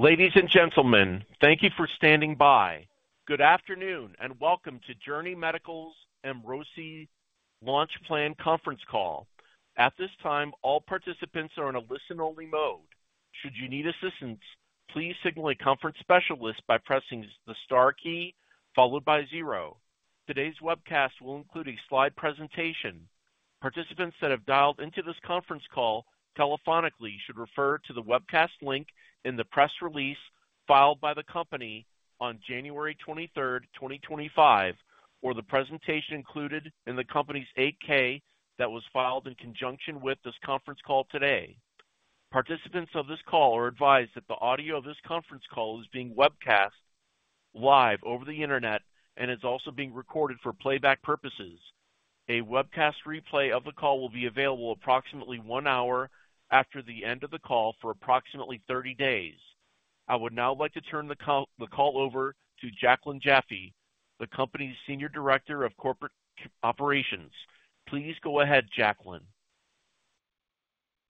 Ladies and gentlemen, thank you for standing by. Good afternoon and welcome to Journey Medical's Emrosi Launch Plan Conference Call. At this time, all participants are in a listen-only mode. Should you need assistance, please signal a conference specialist by pressing the star key followed by zero. Today's webcast will include a slide presentation. Participants that have dialed into this conference call telephonically should refer to the webcast link in the press release filed by the company on January 23rd, 2025, or the presentation included in the company's 8-K that was filed in conjunction with this conference call today. Participants of this call are advised that the audio of this conference call is being webcast live over the internet and is also being recorded for playback purposes. A webcast replay of the call will be available approximately one hour after the end of the call for approximately 30 days. I would now like to turn the call over to Jaclyn Jaffe, the company's Senior Director of Corporate Operations. Please go ahead, Jaclyn.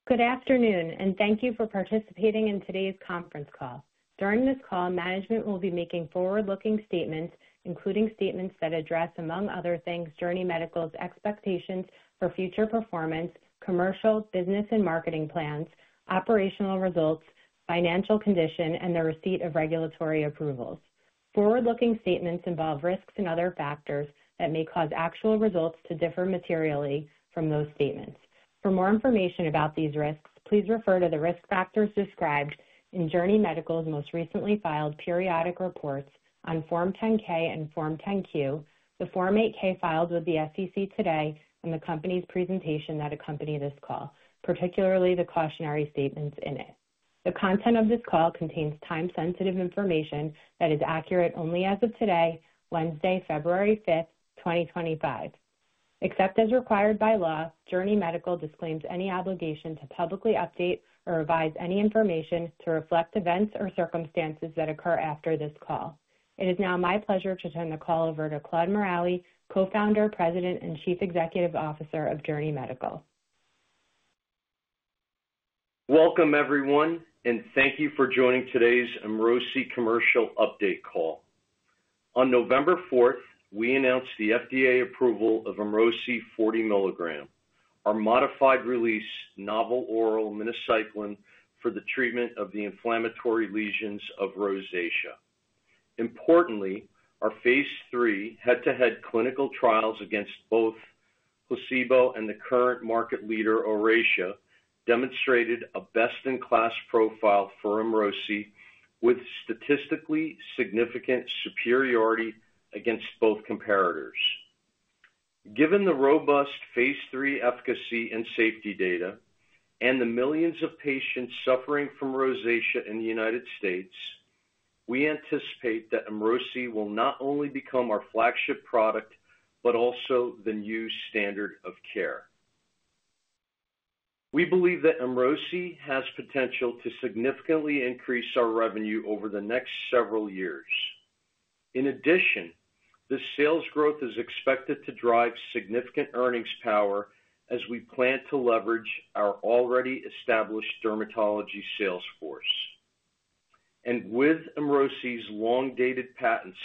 Good afternoon, and thank you for participating in today's conference call. During this call, management will be making forward-looking statements, including statements that address, among other things, Journey Medical's expectations for future performance, commercial, business, and marketing plans, operational results, financial condition, and the receipt of regulatory approvals. Forward-looking statements involve risks and other factors that may cause actual results to differ materially from those statements. For more information about these risks, please refer to the risk factors described in Journey Medical's most recently filed periodic reports on Form 10-K and Form 10-Q, the Form 8-K filed with the SEC today, and the company's presentation that accompanied this call, particularly the cautionary statements in it. The content of this call contains time-sensitive information that is accurate only as of today, Wednesday, February 5th, 2025. Except as required by law, Journey Medical disclaims any obligation to publicly update or revise any information to reflect events or circumstances that occur after this call. It is now my pleasure to turn the call over to Claude Maraoui, Co-founder, President, and Chief Executive Officer of Journey Medical. Welcome, everyone, and thank you for joining today's Emrosi commercial update call. On November 4th, we announced the FDA approval of Emrosi 40 milligram, our modified release novel oral minocycline for the treatment of the inflammatory lesions of rosacea. Importantly, our phase III head-to-head clinical trials against both placebo and the current market leader, Oracea, demonstrated a best-in-class profile for Emrosi with statistically significant superiority against both comparators. Given the robust phase III efficacy and safety data and the millions of patients suffering from rosacea in the United States, we anticipate that Emrosi will not only become our flagship product but also the new standard of care. We believe that Emrosi has potential to significantly increase our revenue over the next several years. In addition, the sales growth is expected to drive significant earnings power as we plan to leverage our already established dermatology sales force. With Emrosi's long-dated patents,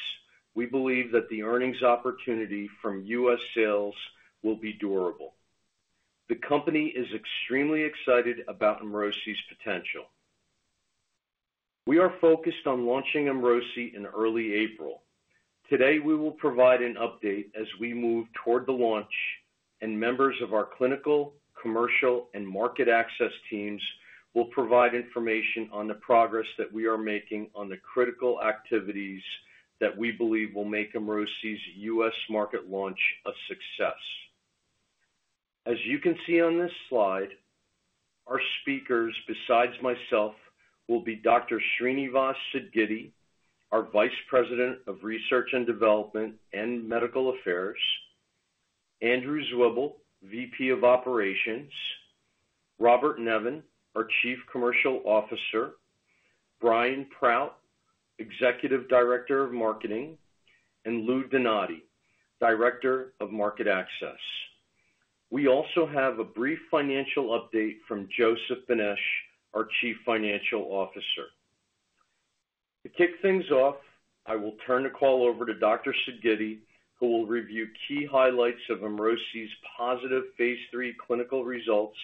we believe that the earnings opportunity from U.S. sales will be durable. The company is extremely excited about Emrosi's potential. We are focused on launching Emrosi in early April. Today, we will provide an update as we move toward the launch, and members of our clinical, commercial, and market access teams will provide information on the progress that we are making on the critical activities that we believe will make Emrosi's U.S. market launch a success. As you can see on this slide, our speakers, besides myself, will be Dr. Srinivas Sidgiddi, our Vice President of Research and Development and Medical Affairs; Andrew Zwible, VP of Operations; Robert Nevin, our Chief Commercial Officer; Brian Prout, Executive Director of Marketing; and Louis Donati, Director of Market Access. We also have a brief financial update from Joseph Benesch, our Chief Financial Officer. To kick things off, I will turn the call over to Dr. Sidgiddi, who will review key highlights of Emrosi's positive phase III clinical results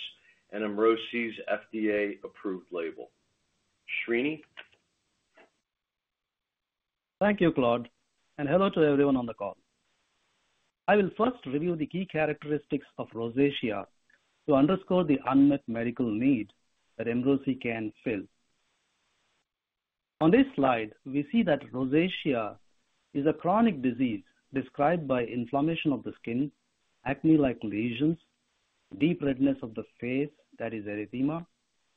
and Emrosi's FDA-approved label. Srini. Thank you, Claude, and hello to everyone on the call. I will first review the key characteristics of rosacea to underscore the unmet medical need that Emrosi can fill. On this slide, we see that rosacea is a chronic disease described by inflammation of the skin, acne-like lesions, deep redness of the face that is erythema,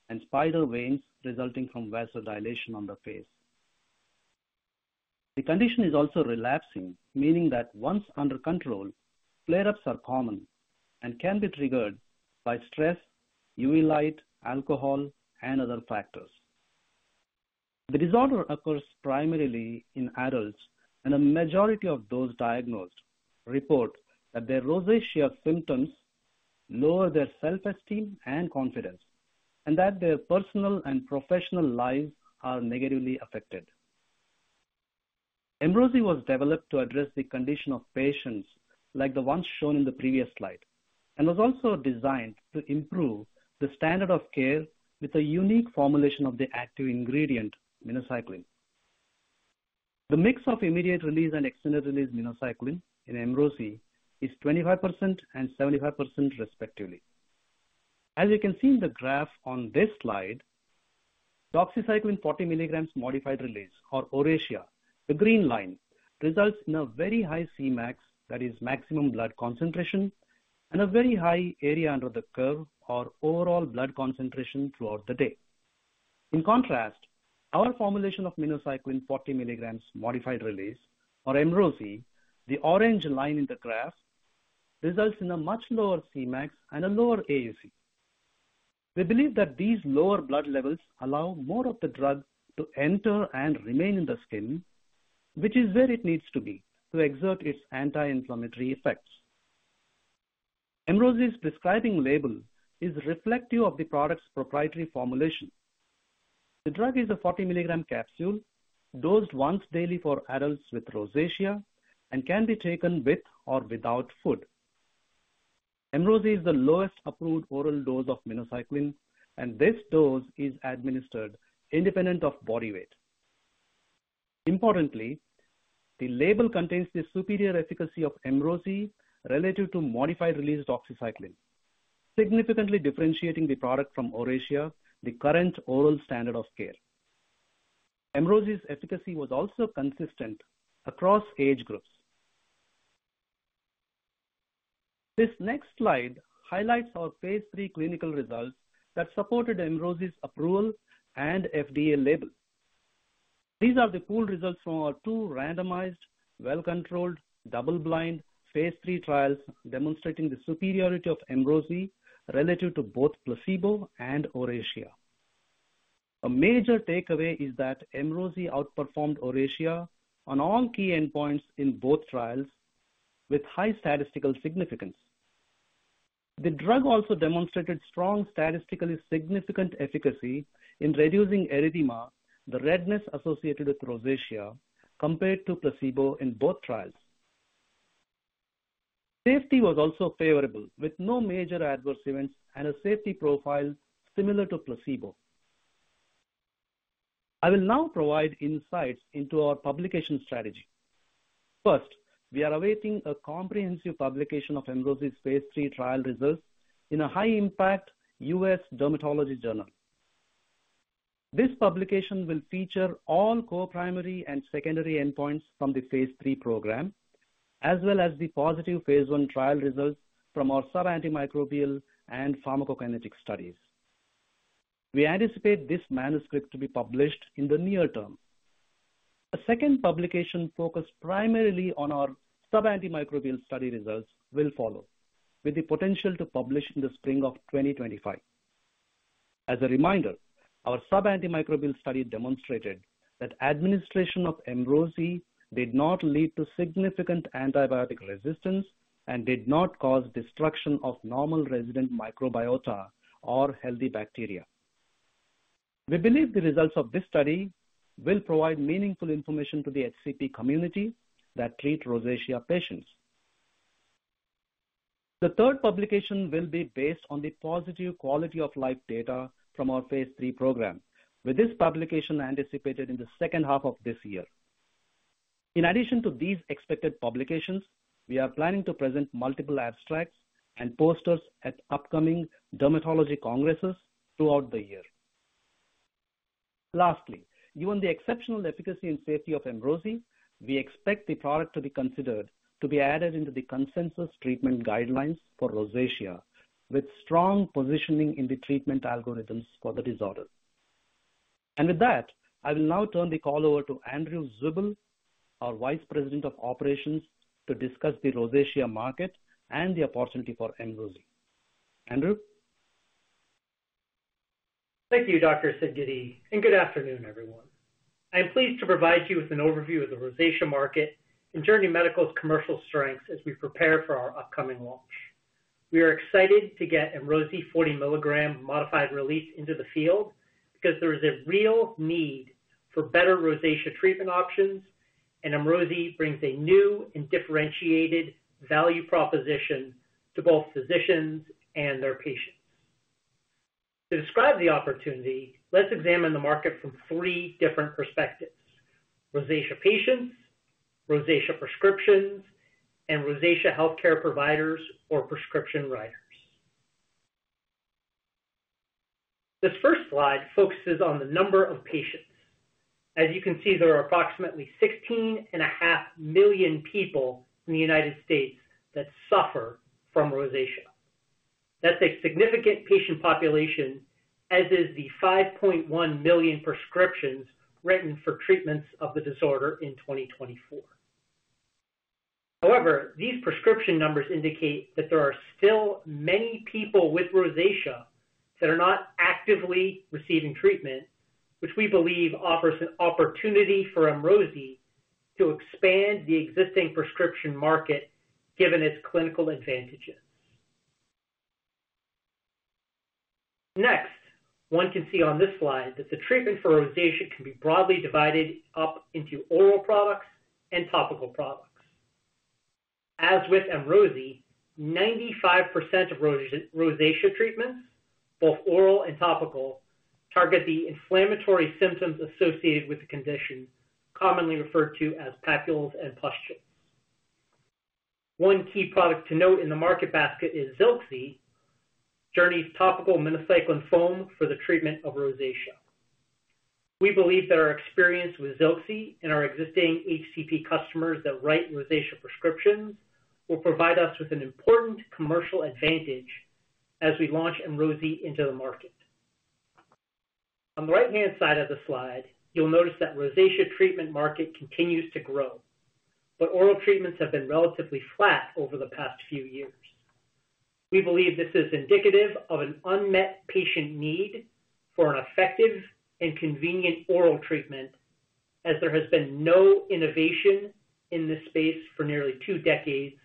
and spider veins resulting from vasodilation on the face. The condition is also relapsing, meaning that once under control, flare-ups are common and can be triggered by stress, UV light, alcohol, and other factors. The disorder occurs primarily in adults, and the majority of those diagnosed report that their rosacea symptoms lower their self-esteem and confidence, and that their personal and professional lives are negatively affected. Emrosi was developed to address the condition of patients like the ones shown in the previous slide and was also designed to improve the standard of care with a unique formulation of the active ingredient, minocycline. The mix of immediate release and extended release minocycline in Emrosi is 25% and 75%, respectively. As you can see in the graph on this slide, doxycycline 40 mg modified release, or Oracea, the green line, results in a very high Cmax, that is, maximum blood concentration, and a very high area under the curve, or overall blood concentration throughout the day. In contrast, our formulation of minocycline 40 mg modified release, or Emrosi, the orange line in the graph, results in a much lower Cmax and a lower AUC. We believe that these lower blood levels allow more of the drug to enter and remain in the skin, which is where it needs to be to exert its anti-inflammatory effects. Emrosi's prescribing label is reflective of the product's proprietary formulation. The drug is a 40 mg capsule dosed once daily for adults with rosacea and can be taken with or without food. Emrosi is the lowest approved oral dose of minocycline, and this dose is administered independent of body weight. Importantly, the label contains the superior efficacy of Emrosi relative to modified release doxycycline, significantly differentiating the product from Oracea, the current oral standard of care. Emrosi's efficacy was also consistent across age groups. This next slide highlights our phase III clinical results that supported Emrosi's approval and FDA label. These are the pooled results from our two randomized, well-controlled, double-blind phase III trials demonstrating the superiority of Emrosi relative to both placebo and Oracea. A major takeaway is that Emrosi outperformed Oracea on all key endpoints in both trials with high statistical significance. The drug also demonstrated strong statistically significant efficacy in reducing erythema, the redness associated with rosacea, compared to placebo in both trials. Safety was also favorable, with no major adverse events and a safety profile similar to placebo. I will now provide insights into our publication strategy. First, we are awaiting a comprehensive publication of Emrosi's phase III trial results in a high-impact U.S. dermatology journal. This publication will feature all co-primary and secondary endpoints from the phase III program, as well as the positive phase I trial results from our sub-antimicrobial and pharmacokinetic studies. We anticipate this manuscript to be published in the near term. A second publication focused primarily on our sub-antimicrobial study results will follow, with the potential to publish in the spring of 2025. As a reminder, our sub-antimicrobial study demonstrated that administration of Emrosi did not lead to significant antibiotic resistance and did not cause destruction of normal resident microbiota or healthy bacteria. We believe the results of this study will provide meaningful information to the HCP community that treats rosacea patients. The third publication will be based on the positive quality of life data from our phase III program, with this publication anticipated in the second half of this year. In addition to these expected publications, we are planning to present multiple abstracts and posters at upcoming dermatology congresses throughout the year. Lastly, given the exceptional efficacy and safety of Emrosi, we expect the product to be considered to be added into the consensus treatment guidelines for rosacea, with strong positioning in the treatment algorithms for the disorder. With that, I will now turn the call over to Andrew Zwible, our Vice President of Operations, to discuss the rosacea market and the opportunity for Emrosi. Andrew? Thank you, Dr. Sidgiddi, and good afternoon, everyone. I am pleased to provide you with an overview of the rosacea market and Journey Medical's commercial strengths as we prepare for our upcoming launch. We are excited to get Emrosi 40 milligram modified release into the field because there is a real need for better rosacea treatment options, and Emrosi brings a new and differentiated value proposition to both physicians and their patients. To describe the opportunity, let's examine the market from three different perspectives: rosacea patients, rosacea prescriptions, and rosacea healthcare providers or prescription writers. This first slide focuses on the number of patients. As you can see, there are approximately 16.5 million people in the United States that suffer from rosacea. That's a significant patient population, as is the 5.1 million prescriptions written for treatments of the disorder in 2024. However, these prescription numbers indicate that there are still many people with rosacea that are not actively receiving treatment, which we believe offers an opportunity for Emrosi to expand the existing prescription market, given its clinical advantages. Next, one can see on this slide that the treatment for rosacea can be broadly divided up into oral products and topical products. As with Emrosi, 95% of rosacea treatments, both oral and topical, target the inflammatory symptoms associated with the condition, commonly referred to as papules and pustules. One key product to note in the market basket is Zilxi, Journey's topical minocycline foam for the treatment of rosacea. We believe that our experience with Zilxi and our existing HCP customers that write rosacea prescriptions will provide us with an important commercial advantage as we launch Emrosi into the market. On the right-hand side of the slide, you'll notice that the rosacea treatment market continues to grow, but oral treatments have been relatively flat over the past few years. We believe this is indicative of an unmet patient need for an effective and convenient oral treatment, as there has been no innovation in this space for nearly two decades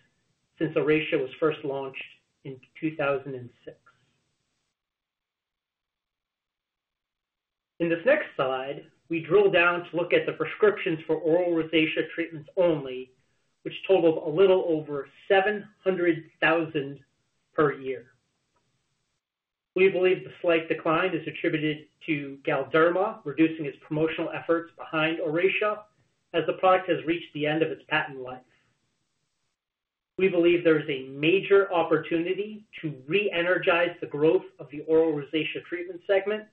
since Oracea was first launched in 2006. In this next slide, we drill down to look at the prescriptions for oral rosacea treatments only, which totaled a little over 700,000 per year. We believe the slight decline is attributed to Galderma, reducing its promotional efforts behind Oracea as the product has reached the end of its patent life. We believe there is a major opportunity to re-energize the growth of the oral rosacea treatment segment,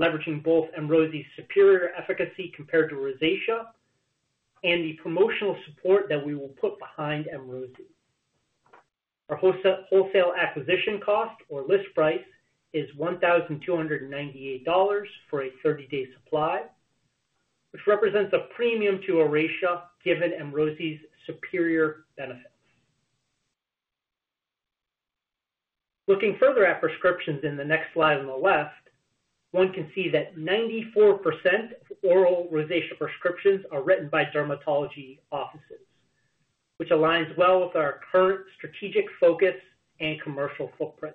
leveraging both Emrosi's superior efficacy compared to Oracea and the promotional support that we will put behind Emrosi. Our wholesale acquisition cost, or list price, is $1,298 for a 30-day supply, which represents a premium to Oracea given Emrosi's superior benefits. Looking further at prescriptions in the next slide on the left, one can see that 94% of oral rosacea prescriptions are written by dermatology offices, which aligns well with our current strategic focus and commercial footprint.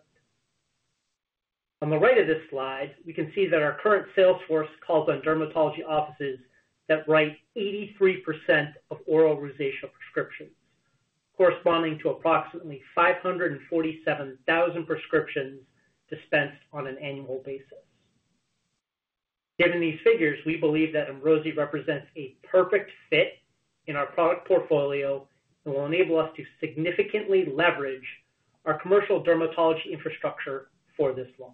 On the right of this slide, we can see that our current sales force calls on dermatology offices that write 83% of oral rosacea prescriptions, corresponding to approximately 547,000 prescriptions dispensed on an annual basis. Given these figures, we believe that Emrosi represents a perfect fit in our product portfolio and will enable us to significantly leverage our commercial dermatology infrastructure for this launch.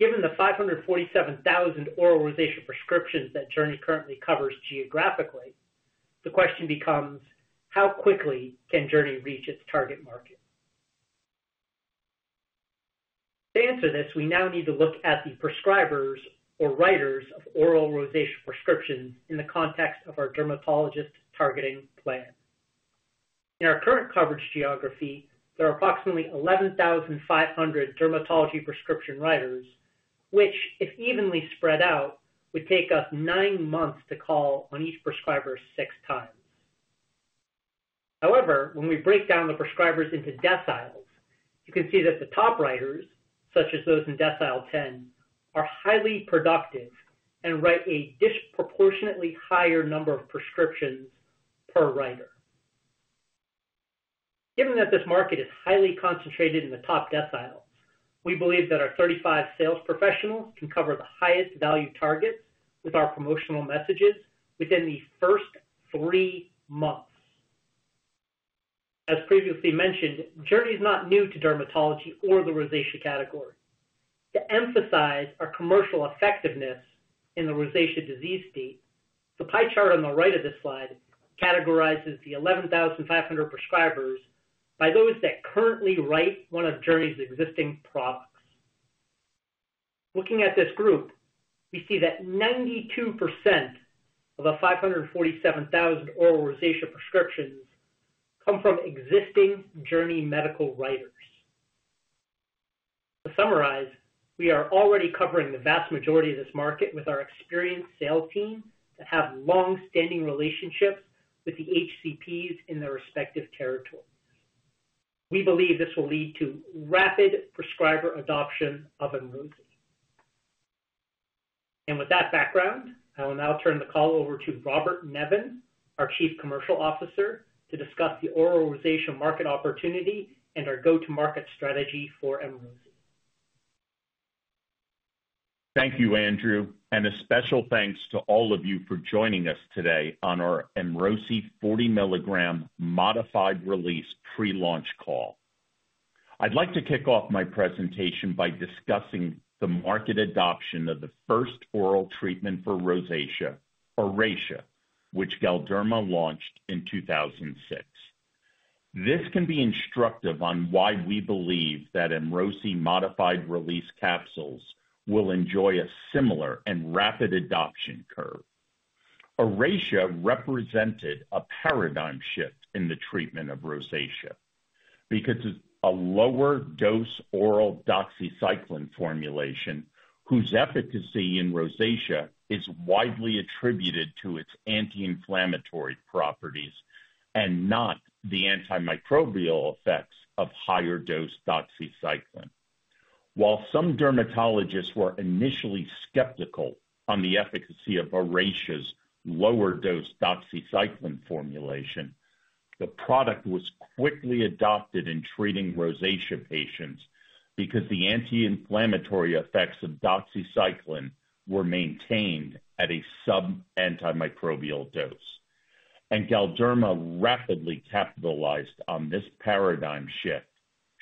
Given the 547,000 oral rosacea prescriptions that Journey currently covers geographically, the question becomes, how quickly can Journey reach its target market? To answer this, we now need to look at the prescribers or writers of oral rosacea prescriptions in the context of our dermatologist targeting plan. In our current coverage geography, there are approximately 11,500 dermatology prescription writers, which, if evenly spread out, would take us nine months to call on each prescriber six times. However, when we break down the prescribers into deciles, you can see that the top writers, such as those in decile 10, are highly productive and write a disproportionately higher number of prescriptions per writer. Given that this market is highly concentrated in the top deciles, we believe that our 35 sales professionals can cover the highest value targets with our promotional messages within the first three months. As previously mentioned, Journey is not new to dermatology or the rosacea category. To emphasize our commercial effectiveness in the rosacea disease state, the pie chart on the right of this slide categorizes the 11,500 prescribers by those that currently write one of Journey's existing products. Looking at this group, we see that 92% of the 547,000 oral rosacea prescriptions come from existing Journey Medical writers. To summarize, we are already covering the vast majority of this market with our experienced sales team that have long-standing relationships with the HCPs in their respective territories. We believe this will lead to rapid prescriber adoption of Emrosi. With that background, I will now turn the call over to Robert Nevin, our Chief Commercial Officer, to discuss the oral rosacea market opportunity and our go-to-market strategy for Emrosi. Thank you, Andrew. A special thanks to all of you for joining us today on our Emrosi 40 mg modified-release pre-launch call. I'd like to kick off my presentation by discussing the market adoption of the first oral treatment for rosacea, Oracea, which Galderma launched in 2006. This can be instructive on why we believe that Emrosi modified-release capsules will enjoy a similar and rapid adoption curve. Oracea represented a paradigm shift in the treatment of rosacea because it's a lower-dose oral doxycycline formulation whose efficacy in rosacea is widely attributed to its anti-inflammatory properties and not the antimicrobial effects of higher-dose doxycycline. While some dermatologists were initially skeptical on the efficacy of Oracea's lower-dose doxycycline formulation, the product was quickly adopted in treating rosacea patients because the anti-inflammatory effects of doxycycline were maintained at a sub-antimicrobial dose. Galderma rapidly capitalized on this paradigm shift,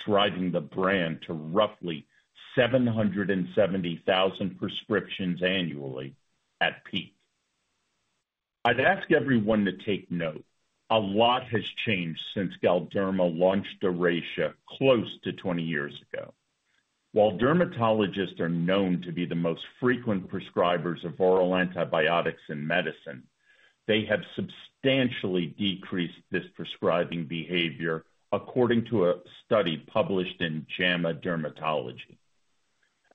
driving the brand to roughly 770,000 prescriptions annually at peak. I'd ask everyone to take note. A lot has changed since Galderma launched Oracea close to 20 years ago. While dermatologists are known to be the most frequent prescribers of oral antibiotics in medicine, they have substantially decreased this prescribing behavior, according to a study published in JAMA Dermatology.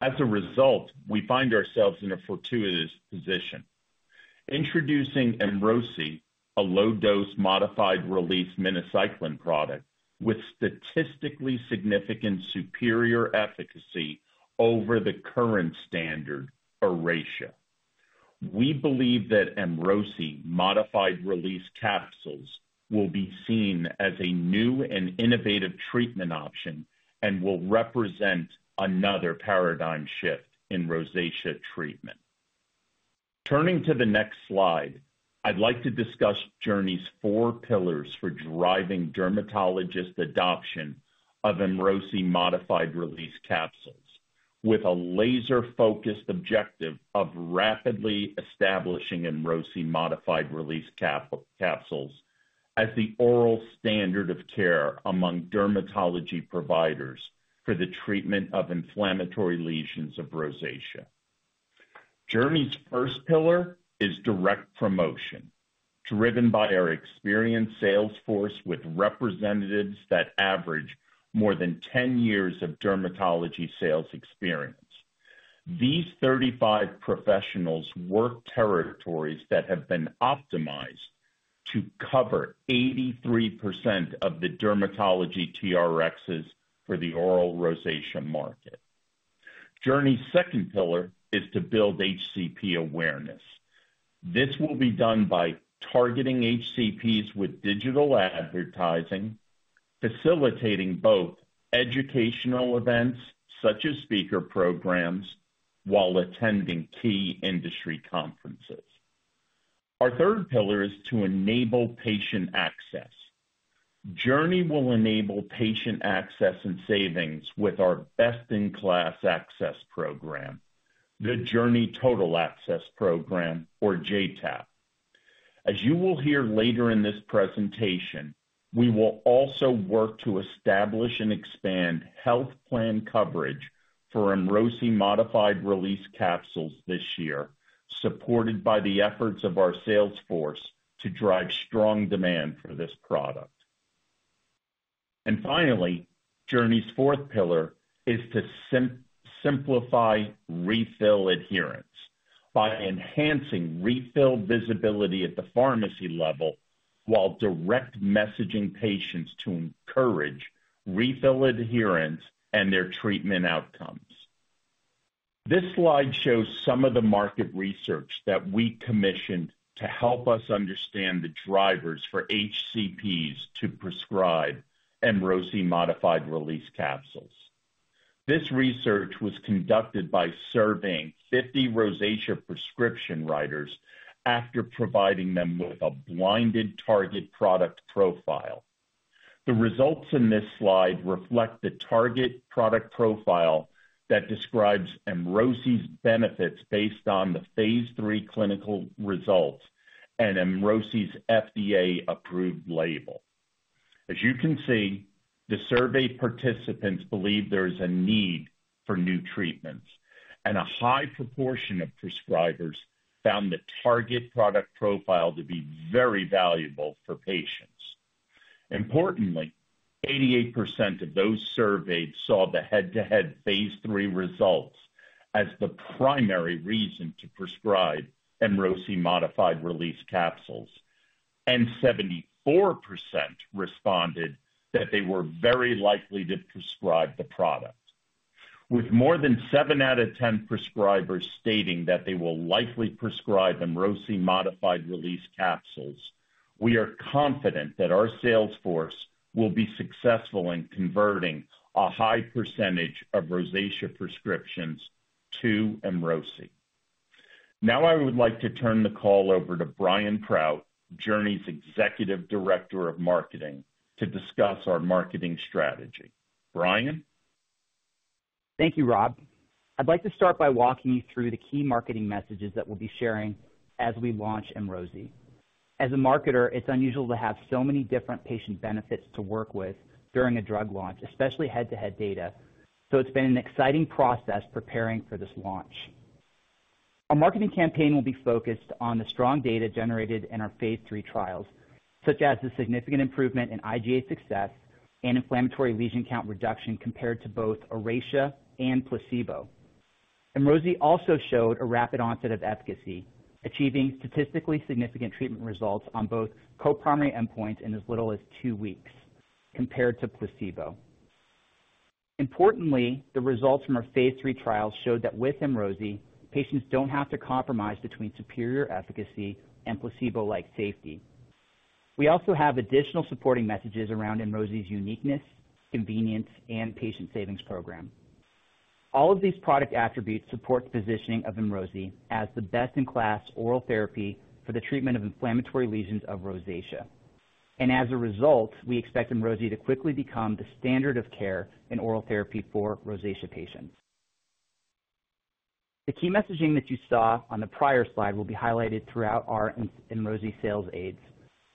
As a result, we find ourselves in a fortuitous position. Introducing Emrosi, a low-dose modified release minocycline product with statistically significant superior efficacy over the current standard, Oracea. We believe that Emrosi modified release capsules will be seen as a new and innovative treatment option and will represent another paradigm shift in rosacea treatment. Turning to the next slide, I'd like to discuss Journey's four pillars for driving dermatologist adoption of Emrosi modified-release capsules, with a laser-focused objective of rapidly establishing Emrosi modified-release capsules as the oral standard of care among dermatology providers for the treatment of inflammatory lesions of rosacea. Journey's first pillar is direct promotion, driven by our experienced sales force with representatives that average more than 10 years of dermatology sales experience. These 35 professionals work territories that have been optimized to cover 83% of the dermatology TRXs for the oral rosacea market. Journey's second pillar is to build HCP awareness. This will be done by targeting HCPs with digital advertising, facilitating both educational events such as speaker programs while attending key industry conferences. Our third pillar is to enable patient access. Journey will enable patient access and savings with our best-in-class access program, the Journey Total Access Program, or JTAP. As you will hear later in this presentation, we will also work to establish and expand health plan coverage for Emrosi modified release capsules this year, supported by the efforts of our sales force to drive strong demand for this product. Finally, Journey's fourth pillar is to simplify refill adherence by enhancing refill visibility at the pharmacy level while direct messaging patients to encourage refill adherence and their treatment outcomes. This slide shows some of the market research that we commissioned to help us understand the drivers for HCPs to prescribe Emrosi modified release capsules. This research was conducted by surveying 50 rosacea prescription writers after providing them with a blinded target product profile. The results in this slide reflect the target product profile that describes Emrosi's benefits based on the phase III clinical results and Emrosi's FDA-approved label. As you can see, the survey participants believe there is a need for new treatments, and a high proportion of prescribers found the target product profile to be very valuable for patients. Importantly, 88% of those surveyed saw the head-to-head phase III results as the primary reason to prescribe Emrosi modified release capsules, and 74% responded that they were very likely to prescribe the product. With more than seven out of 10 prescribers stating that they will likely prescribe Emrosi modified release capsules, we are confident that our sales force will be successful in converting a high percentage of rosacea prescriptions to Emrosi. Now, I would like to turn the call over to Brian Prout, Journey's Executive Director of Marketing, to discuss our marketing strategy. Brian? Thank you, Rob. I'd like to start by walking you through the key marketing messages that we'll be sharing as we launch Emrosi. As a marketer, it's unusual to have so many different patient benefits to work with during a drug launch, especially head-to-head data. It's been an exciting process preparing for this launch. Our marketing campaign will be focused on the strong data generated in our phase III trials, such as the significant improvement in IGA success and inflammatory lesion count reduction compared to both Oracea and placebo. Emrosi also showed a rapid onset of efficacy, achieving statistically significant treatment results on both co-primary endpoints in as little as two weeks compared to placebo. Importantly, the results from our phase III trials showed that with Emrosi, patients don't have to compromise between superior efficacy and placebo-like safety. We also have additional supporting messages around Emrosi's uniqueness, convenience, and patient savings program. All of these product attributes support the positioning of Emrosi as the best-in-class oral therapy for the treatment of inflammatory lesions of rosacea. As a result, we expect Emrosi to quickly become the standard of care in oral therapy for rosacea patients. The key messaging that you saw on the prior slide will be highlighted throughout our Emrosi sales aids,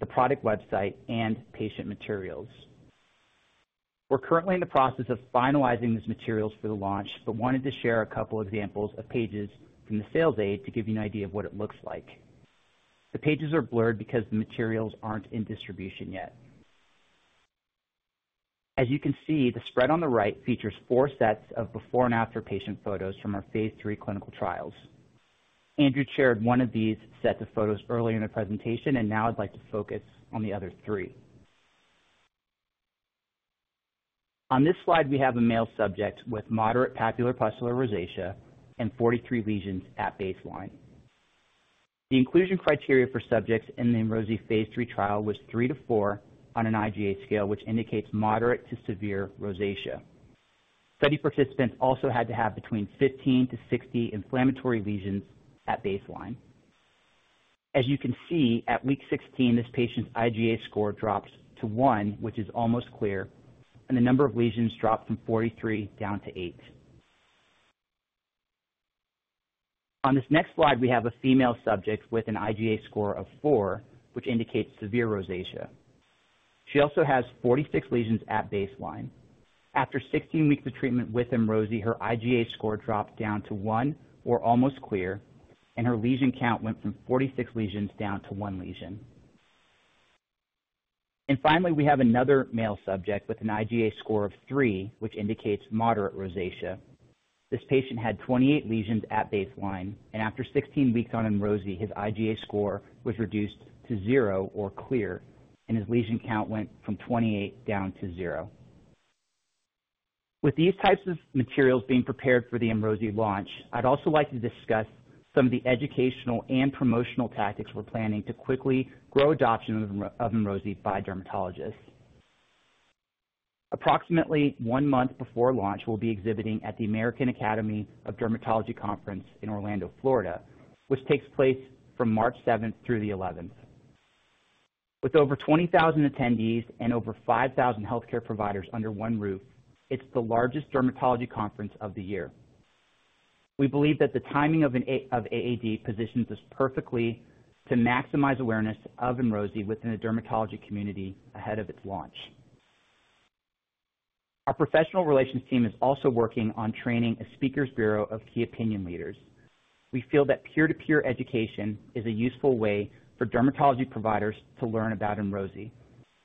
the product website, and patient materials. We're currently in the process of finalizing these materials for the launch, but wanted to share a couple of examples of pages from the sales aid to give you an idea of what it looks like. The pages are blurred because the materials aren't in distribution yet. As you can see, the spread on the right features four sets of before and after patient photos from our phase III clinical trials. Andrew shared one of these sets of photos earlier in the presentation, and now I'd like to focus on the other three. On this slide, we have a male subject with moderate papulopustular rosacea and 43 lesions at baseline. The inclusion criteria for subjects in the Emrosi phase III trial was three to four on an IGA scale, which indicates moderate to severe rosacea. Study participants also had to have between 15-60 inflammatory lesions at baseline. As you can see, at week 16, this patient's IGA score drops to one, which is almost clear, and the number of lesions dropped from 43 down to eight. On this next slide, we have a female subject with an IGA score of four, which indicates severe rosacea. She also has 46 lesions at baseline. After 16 weeks of treatment with Emrosi, her IGA score dropped down to one or almost clear, and her lesion count went from 46 lesions down to one lesion. Finally, we have another male subject with an IGA score of three, which indicates moderate rosacea. This patient had 28 lesions at baseline, and after 16 weeks on Emrosi, his IGA score was reduced to zero or clear, and his lesion count went from 28 down to zero. With these types of materials being prepared for the Emrosi launch, I'd also like to discuss some of the educational and promotional tactics we're planning to quickly grow adoption of Emrosi by dermatologists. Approximately one month before launch, we'll be exhibiting at the American Academy of Dermatology Conference in Orlando, Florida, which takes place from March 7th through the 11th. With over 20,000 attendees and over 5,000 healthcare providers under one roof, it's the largest dermatology conference of the year. We believe that the timing of AAD positions us perfectly to maximize awareness of Emrosi within the dermatology community ahead of its launch. Our professional relations team is also working on training a speaker's bureau of key opinion leaders. We feel that peer-to-peer education is a useful way for dermatology providers to learn about Emrosi.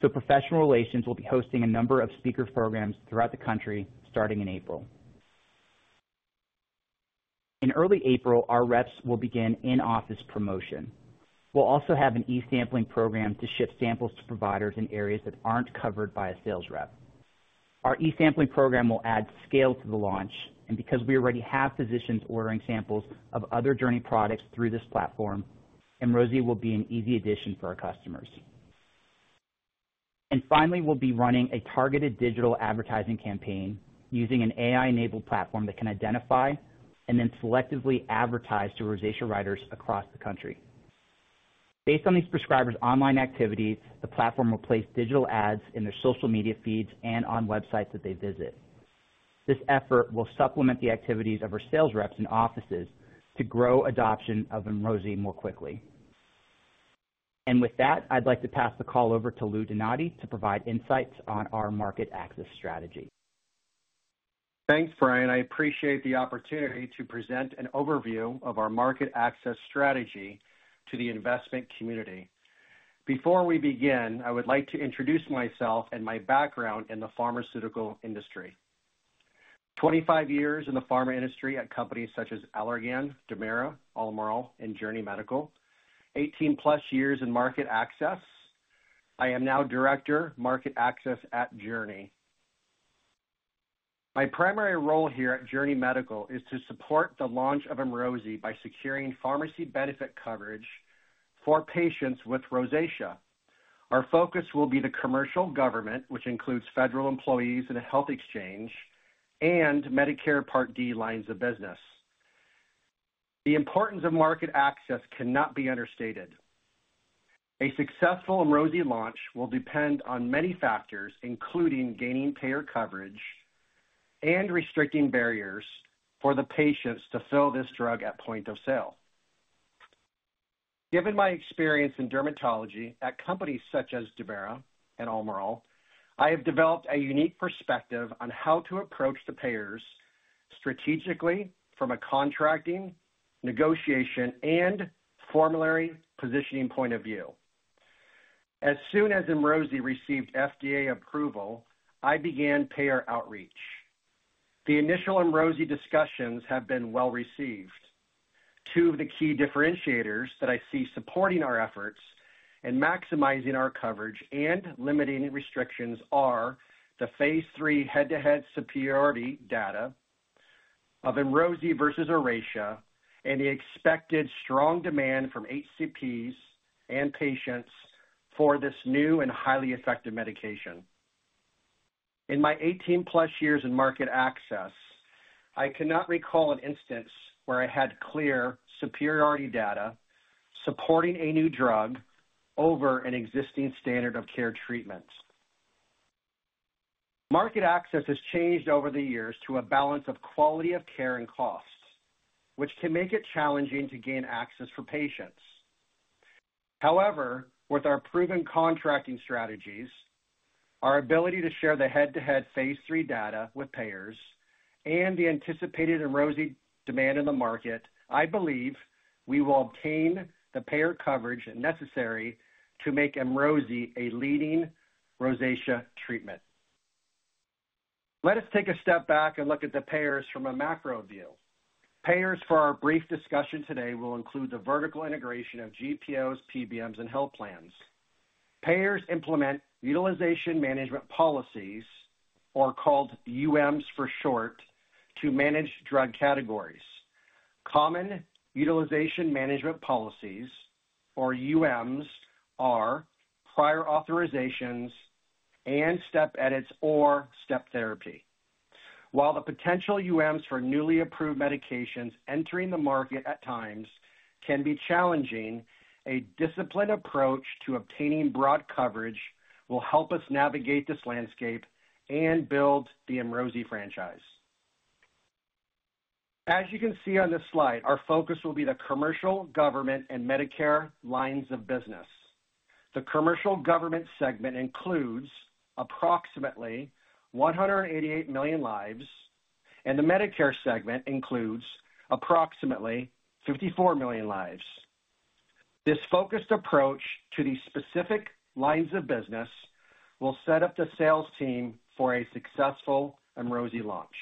Professional relations will be hosting a number of speaker programs throughout the country starting in April. In early April, our reps will begin in-office promotion. We'll also have an e-sampling program to ship samples to providers in areas that aren't covered by a sales rep. Our e-sampling program will add scale to the launch, and because we already have physicians ordering samples of other Journey products through this platform, Emrosi will be an easy addition for our customers. Finally, we'll be running a targeted digital advertising campaign using an AI-enabled platform that can identify and then selectively advertise to rosacea writers across the country. Based on these prescribers' online activities, the platform will place digital ads in their social media feeds and on websites that they visit. This effort will supplement the activities of our sales reps and offices to grow adoption of Emrosi more quickly. With that, I'd like to pass the call over to Lou Donati to provide insights on our market access strategy. Thanks, Brian. I appreciate the opportunity to present an overview of our market access strategy to the investment community. Before we begin, I would like to introduce myself and my background in the pharmaceutical industry. Twenty-five years in the pharma industry at companies such as Allergan, Dermira, Almirall, and Journey Medical. Eighteen-plus years in market access. I am now Director of Market Access at Journey. My primary role here at Journey Medical is to support the launch of Emrosi by securing pharmacy benefit coverage for patients with rosacea. Our focus will be the commercial government, which includes federal employees and a health exchange, and Medicare Part D lines of business. The importance of market access cannot be understated. A successful Emrosi launch will depend on many factors, including gaining payer coverage and restricting barriers for the patients to fill this drug at point of sale. Given my experience in dermatology at companies such as Dermira and Almirall, I have developed a unique perspective on how to approach the payers strategically from a contracting, negotiation, and formulary positioning point of view. As soon as Emrosi received FDA approval, I began payer outreach. The initial Emrosi discussions have been well received. Two of the key differentiators that I see supporting our efforts in maximizing our coverage and limiting restrictions are the phase III head-to-head superiority data of Emrosi versus Oracea and the expected strong demand from HCPs and patients for this new and highly effective medication. In my 18-plus years in market access, I cannot recall an instance where I had clear superiority data supporting a new drug over an existing standard of care treatment. Market access has changed over the years to a balance of quality of care and cost, which can make it challenging to gain access for patients. However, with our proven contracting strategies, our ability to share the head-to-head phase III data with payers, and the anticipated Emrosi demand in the market, I believe we will obtain the payer coverage necessary to make Emrosi a leading rosacea treatment. Let us take a step back and look at the payers from a macro view. Payers for our brief discussion today will include the vertical integration of GPOs, PBMs, and health plans. Payers implement utilization management policies, or called UMs for short, to manage drug categories. Common utilization management policies, or UMs, are prior authorizations and step edits or step therapy. While the potential UMs for newly approved medications entering the market at times can be challenging, a disciplined approach to obtaining broad coverage will help us navigate this landscape and build the Emrosi franchise. As you can see on this slide, our focus will be the commercial, government, and Medicare lines of business. The commercial government segment includes approximately 188 million lives, and the Medicare segment includes approximately 54 million lives. This focused approach to the specific lines of business will set up the sales team for a successful Emrosi launch.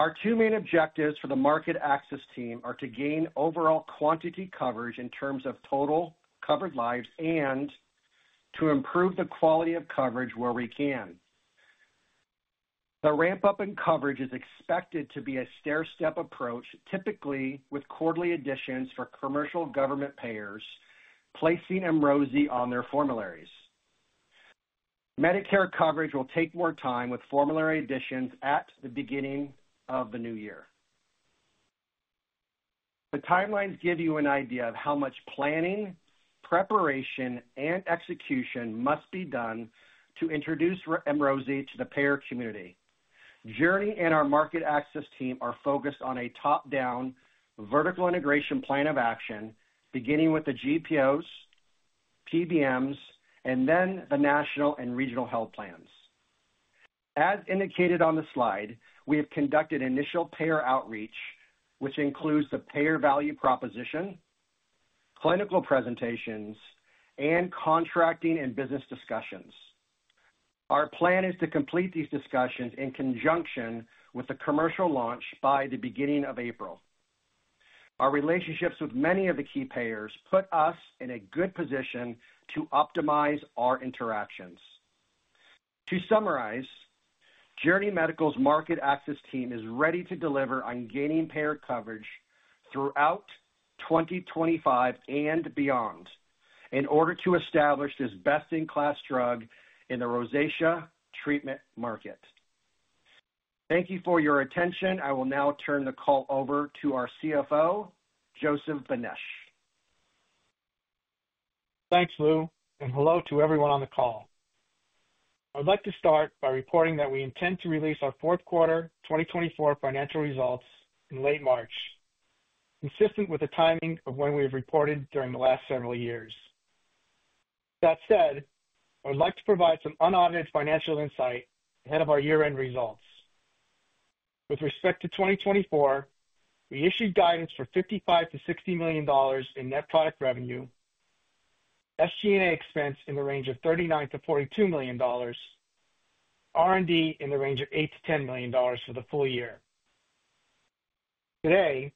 Our two main objectives for the market access team are to gain overall quantity coverage in terms of total covered lives and to improve the quality of coverage where we can. The ramp-up in coverage is expected to be a stair-step approach, typically with quarterly additions for commercial government payers placing Emrosi on their formularies. Medicare coverage will take more time with formulary additions at the beginning of the new year. The timelines give you an idea of how much planning, preparation, and execution must be done to introduce Emrosi to the payer community. Journey and our market access team are focused on a top-down vertical integration plan of action, beginning with the GPOs, PBMs, and then the national and regional health plans. As indicated on the slide, we have conducted initial payer outreach, which includes the payer value proposition, clinical presentations, and contracting and business discussions. Our plan is to complete these discussions in conjunction with the commercial launch by the beginning of April. Our relationships with many of the key payers put us in a good position to optimize our interactions. To summarize, Journey Medical's market access team is ready to deliver on gaining payer coverage throughout 2025 and beyond in order to establish this best-in-class drug in the rosacea treatment market. Thank you for your attention. I will now turn the call over to our CFO, Joseph Benesch. Thanks, Lou. Hello to everyone on the call. I'd like to start by reporting that we intend to release our fourth quarter 2024 financial results in late March, consistent with the timing of when we have reported during the last several years. That said, I would like to provide some unaudited financial insight ahead of our year-end results. With respect to 2024, we issued guidance for $55 million-$60 million in net product revenue, SG&A expense in the range of $39 million-$42 million, R&D in the range of $8 million-$10 million for the full year. Today,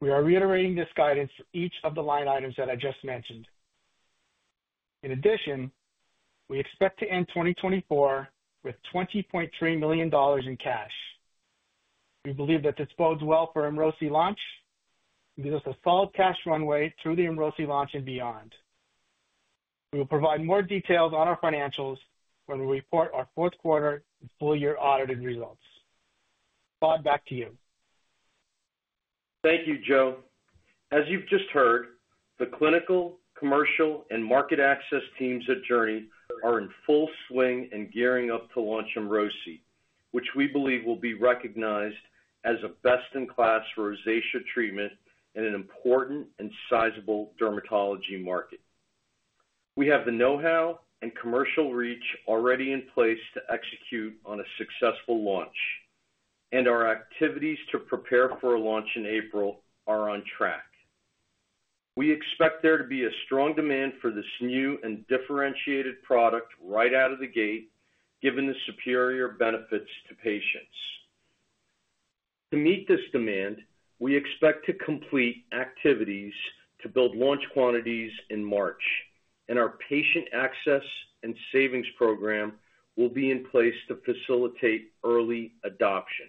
we are reiterating this guidance for each of the line items that I just mentioned. In addition, we expect to end 2024 with $20.3 million in cash. We believe that this bodes well for Emrosi launch and gives us a solid cash runway through the Emrosi launch and beyond. We will provide more details on our financials when we report our fourth quarter and full-year audited results. Claude, back to you. Thank you, Joe. As you've just heard, the clinical, commercial, and market access teams at Journey are in full swing and gearing up to launch Emrosi, which we believe will be recognized as a best-in-class rosacea treatment in an important and sizable dermatology market. We have the know-how and commercial reach already in place to execute on a successful launch, and our activities to prepare for a launch in April are on track. We expect there to be a strong demand for this new and differentiated product right out of the gate, given the superior benefits to patients. To meet this demand, we expect to complete activities to build launch quantities in March, and our patient access and savings program will be in place to facilitate early adoption.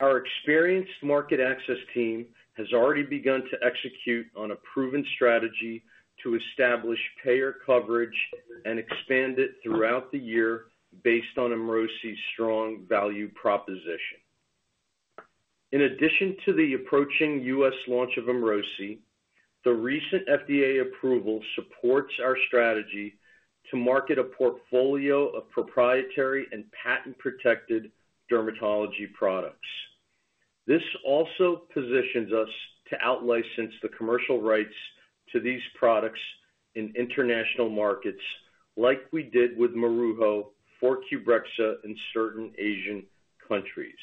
Our experienced market access team has already begun to execute on a proven strategy to establish payer coverage and expand it throughout the year based on Emrosi's strong value proposition. In addition to the approaching U.S. launch of Emrosi, the recent FDA approval supports our strategy to market a portfolio of proprietary and patent-protected dermatology products. This also positions us to out-license the commercial rights to these products in international markets, like we did with Maruho for Qbrexza in certain Asian countries.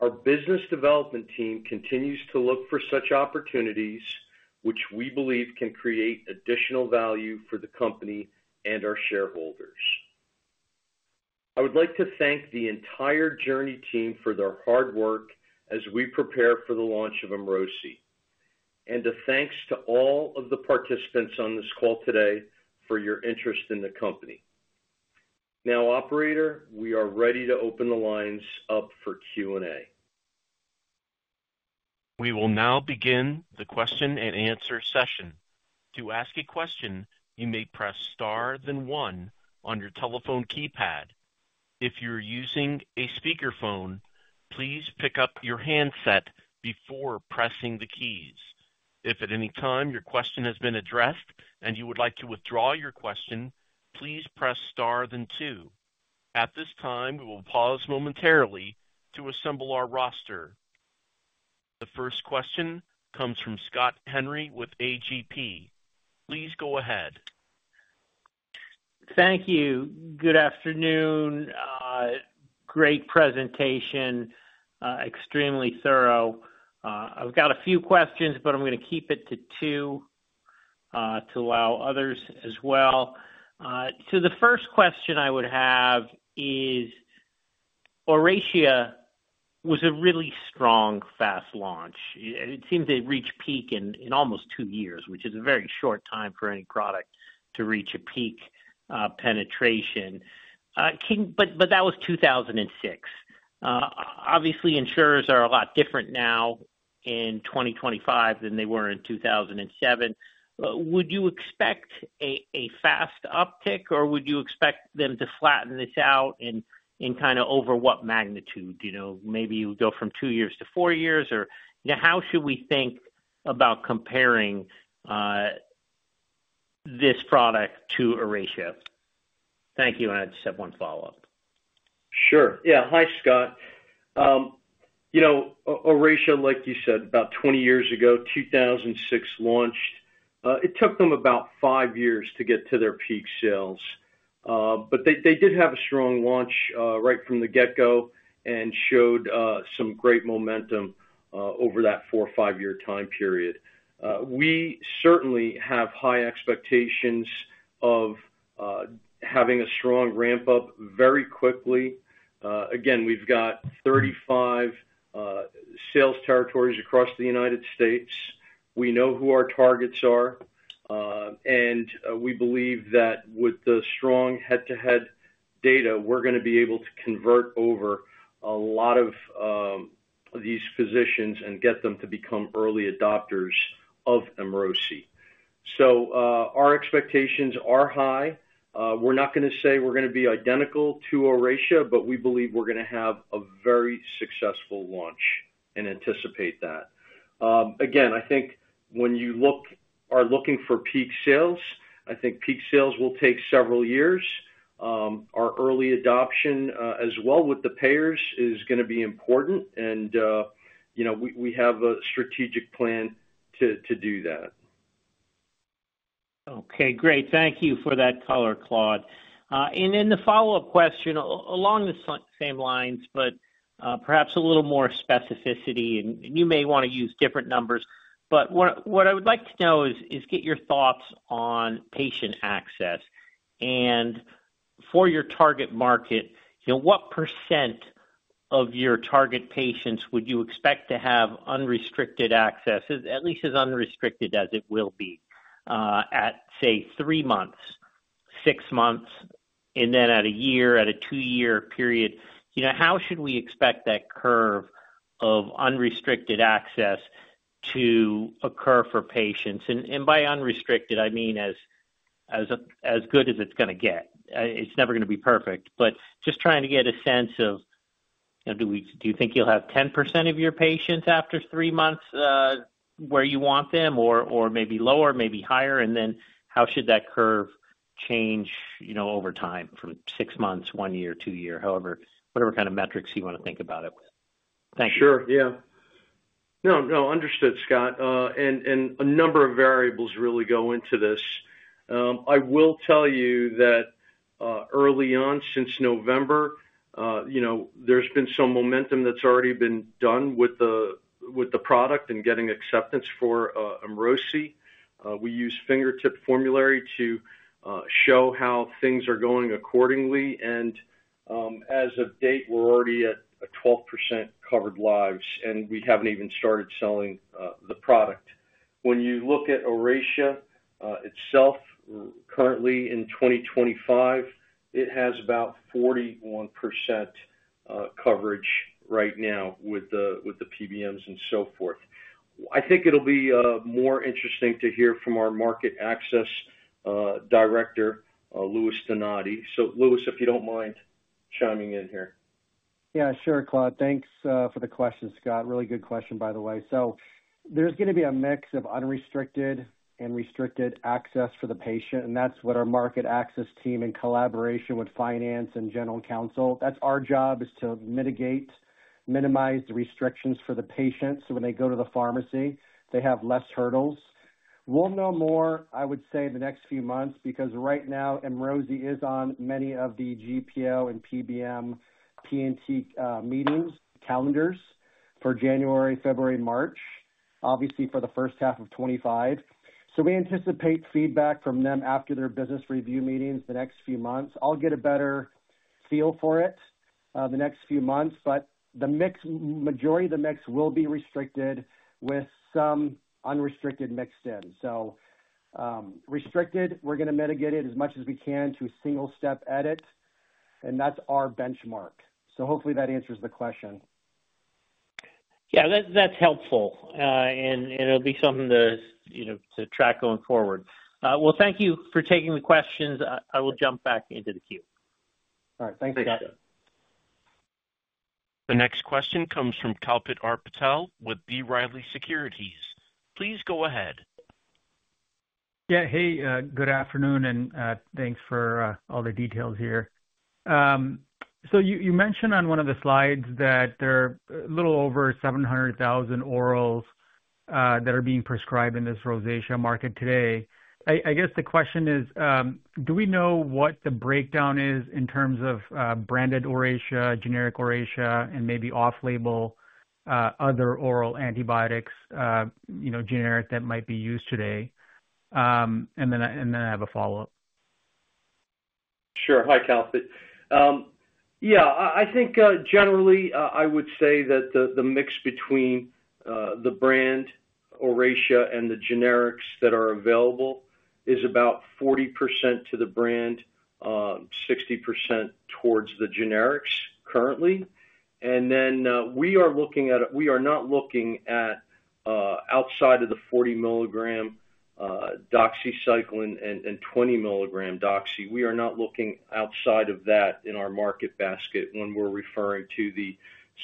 Our business development team continues to look for such opportunities, which we believe can create additional value for the company and our shareholders. I would like to thank the entire Journey team for their hard work as we prepare for the launch of Emrosi, and a thanks to all of the participants on this call today for your interest in the company. Now, Operator, we are ready to open the lines up for Q&A. We will now begin the question-and-answer session. To ask a question, you may press star then one on your telephone keypad. If you're using a speakerphone, please pick up your handset before pressing the keys. If at any time your question has been addressed and you would like to withdraw your question, please press star then two. At this time, we will pause momentarily to assemble our roster. The first question comes from Scott Henry with AGP. Please go ahead. Thank you. Good afternoon. Great presentation. Extremely thorough. I've got a few questions, but I'm going to keep it to two to allow others as well. The first question I would have is, Oracea was a really strong, fast launch. It seemed to reach peak in almost two years, which is a very short time for any product to reach a peak penetration. That was 2006. Obviously, insurers are a lot different now in 2025 than they were in 2007. Would you expect a fast uptick, or would you expect them to flatten this out in kind of over what magnitude? Maybe you would go from two years to four years, or how should we think about comparing this product to Oracea? Thank you. I just have one follow-up. Sure. Yeah. Hi, Scott. Oracea, like you said, about 20 years ago, 2006 launched. It took them about five years to get to their peak sales. They did have a strong launch right from the get-go and showed some great momentum over that four or five-year time period. We certainly have high expectations of having a strong ramp-up very quickly. Again, we have 35 sales territories across the United States. We know who our targets are. We believe that with the strong head-to-head data, we are going to be able to convert over a lot of these positions and get them to become early adopters of Emrosi. Our expectations are high. We are not going to say we are going to be identical to Oracea, but we believe we are going to have a very successful launch and anticipate that. Again, I think when you are looking for peak sales, I think peak sales will take several years. Our early adoption as well with the payers is going to be important, and we have a strategic plan to do that. Okay. Great. Thank you for that color, Claude. The follow-up question along the same lines, but perhaps a little more specificity. You may want to use different numbers. What I would like to know is get your thoughts on patient access. For your target market, what % of your target patients would you expect to have unrestricted access, at least as unrestricted as it will be at, say, three months, six months, and then at a year, at a two-year period? How should we expect that curve of unrestricted access to occur for patients? By unrestricted, I mean as good as it's going to get. It's never going to be perfect. Just trying to get a sense of, do you think you'll have 10% of your patients after three months where you want them, or maybe lower, maybe higher? How should that curve change over time from six months, one year, two years, however, whatever kind of metrics you want to think about it with? Thank you. Sure. Yeah. No, no. Understood, Scott. A number of variables really go into this. I will tell you that early on, since November, there's been some momentum that's already been done with the product and getting acceptance for Emrosi. We use Fingertip Formulary to show how things are going accordingly. As of date, we're already at 12% covered lives, and we haven't even started selling the product. When you look at Oracea itself, currently in 2025, it has about 41% coverage right now with the PBMs and so forth. I think it'll be more interesting to hear from our Market Access Director, Lou Donati. Lou, if you don't mind chiming in here. Yeah, sure, Claude. Thanks for the question, Scott. Really good question, by the way. There's going to be a mix of unrestricted and restricted access for the patient. That's what our market access team in collaboration with finance and general counsel, that's our job is to mitigate, minimize the restrictions for the patients so when they go to the pharmacy, they have less hurdles. We'll know more, I would say, in the next few months because right now, Emrosi is on many of the GPO and PBM P&T meetings calendars for January, February, March, obviously for the first half of 2025. We anticipate feedback from them after their business review meetings the next few months. I'll get a better feel for it the next few months, but the majority of the mix will be restricted with some unrestricted mixed in. Restricted, we're going to mitigate it as much as we can to a single-step edit, and that's our benchmark. Hopefully that answers the question. Yeah, that's helpful. It'll be something to track going forward. Thank you for taking the questions. I will jump back into the queue. All right. Thanks, Scott. Thank you. The next question comes from Kalpit Patel with B. Riley Securities. Please go ahead. Yeah. Hey, good afternoon, and thanks for all the details here. You mentioned on one of the slides that there are a little over 700,000 orals that are being prescribed in this rosacea market today. I guess the question is, do we know what the breakdown is in terms of branded Oracea, generic Oracea, and maybe off-label other oral antibiotics, generic that might be used today? I have a follow-up. Sure. Hi, Kalpit. Yeah. I think generally, I would say that the mix between the brand Oracea and the generics that are available is about 40% to the brand, 60% towards the generics currently. We are not looking at outside of the 40 milligram doxycycline and 20 milligram doxy. We are not looking outside of that in our market basket when we're referring to the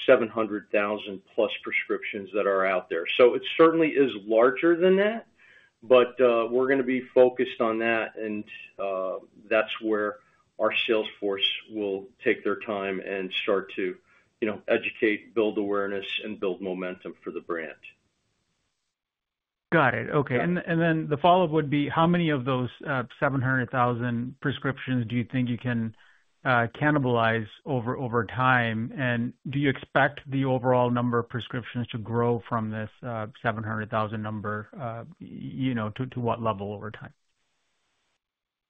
700,000-plus prescriptions that are out there. It certainly is larger than that, but we're going to be focused on that, and that's where our salesforce will take their time and start to educate, build awareness, and build momentum for the brand. Got it. Okay. The follow-up would be, how many of those 700,000 prescriptions do you think you can cannibalize over time? Do you expect the overall number of prescriptions to grow from this 700,000 number to what level over time?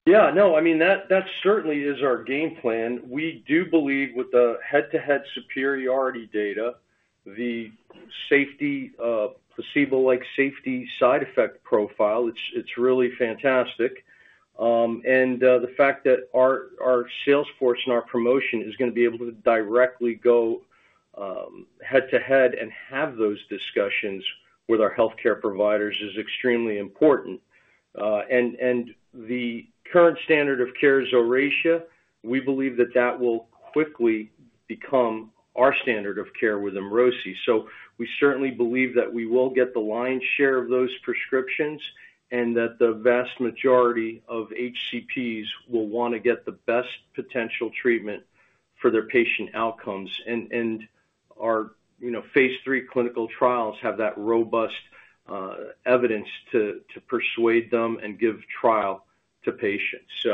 Yeah. No, I mean, that certainly is our game plan. We do believe with the head-to-head superiority data, the safety, placebo-like safety side effect profile, it's really fantastic. The fact that our salesforce and our promotion is going to be able to directly go head-to-head and have those discussions with our healthcare providers is extremely important. The current standard of care is Oracea. We believe that that will quickly become our standard of care with Emrosi. We certainly believe that we will get the lion's share of those prescriptions and that the vast majority of HCPs will want to get the best potential treatment for their patient outcomes. Our phase III clinical trials have that robust evidence to persuade them and give trial to patients.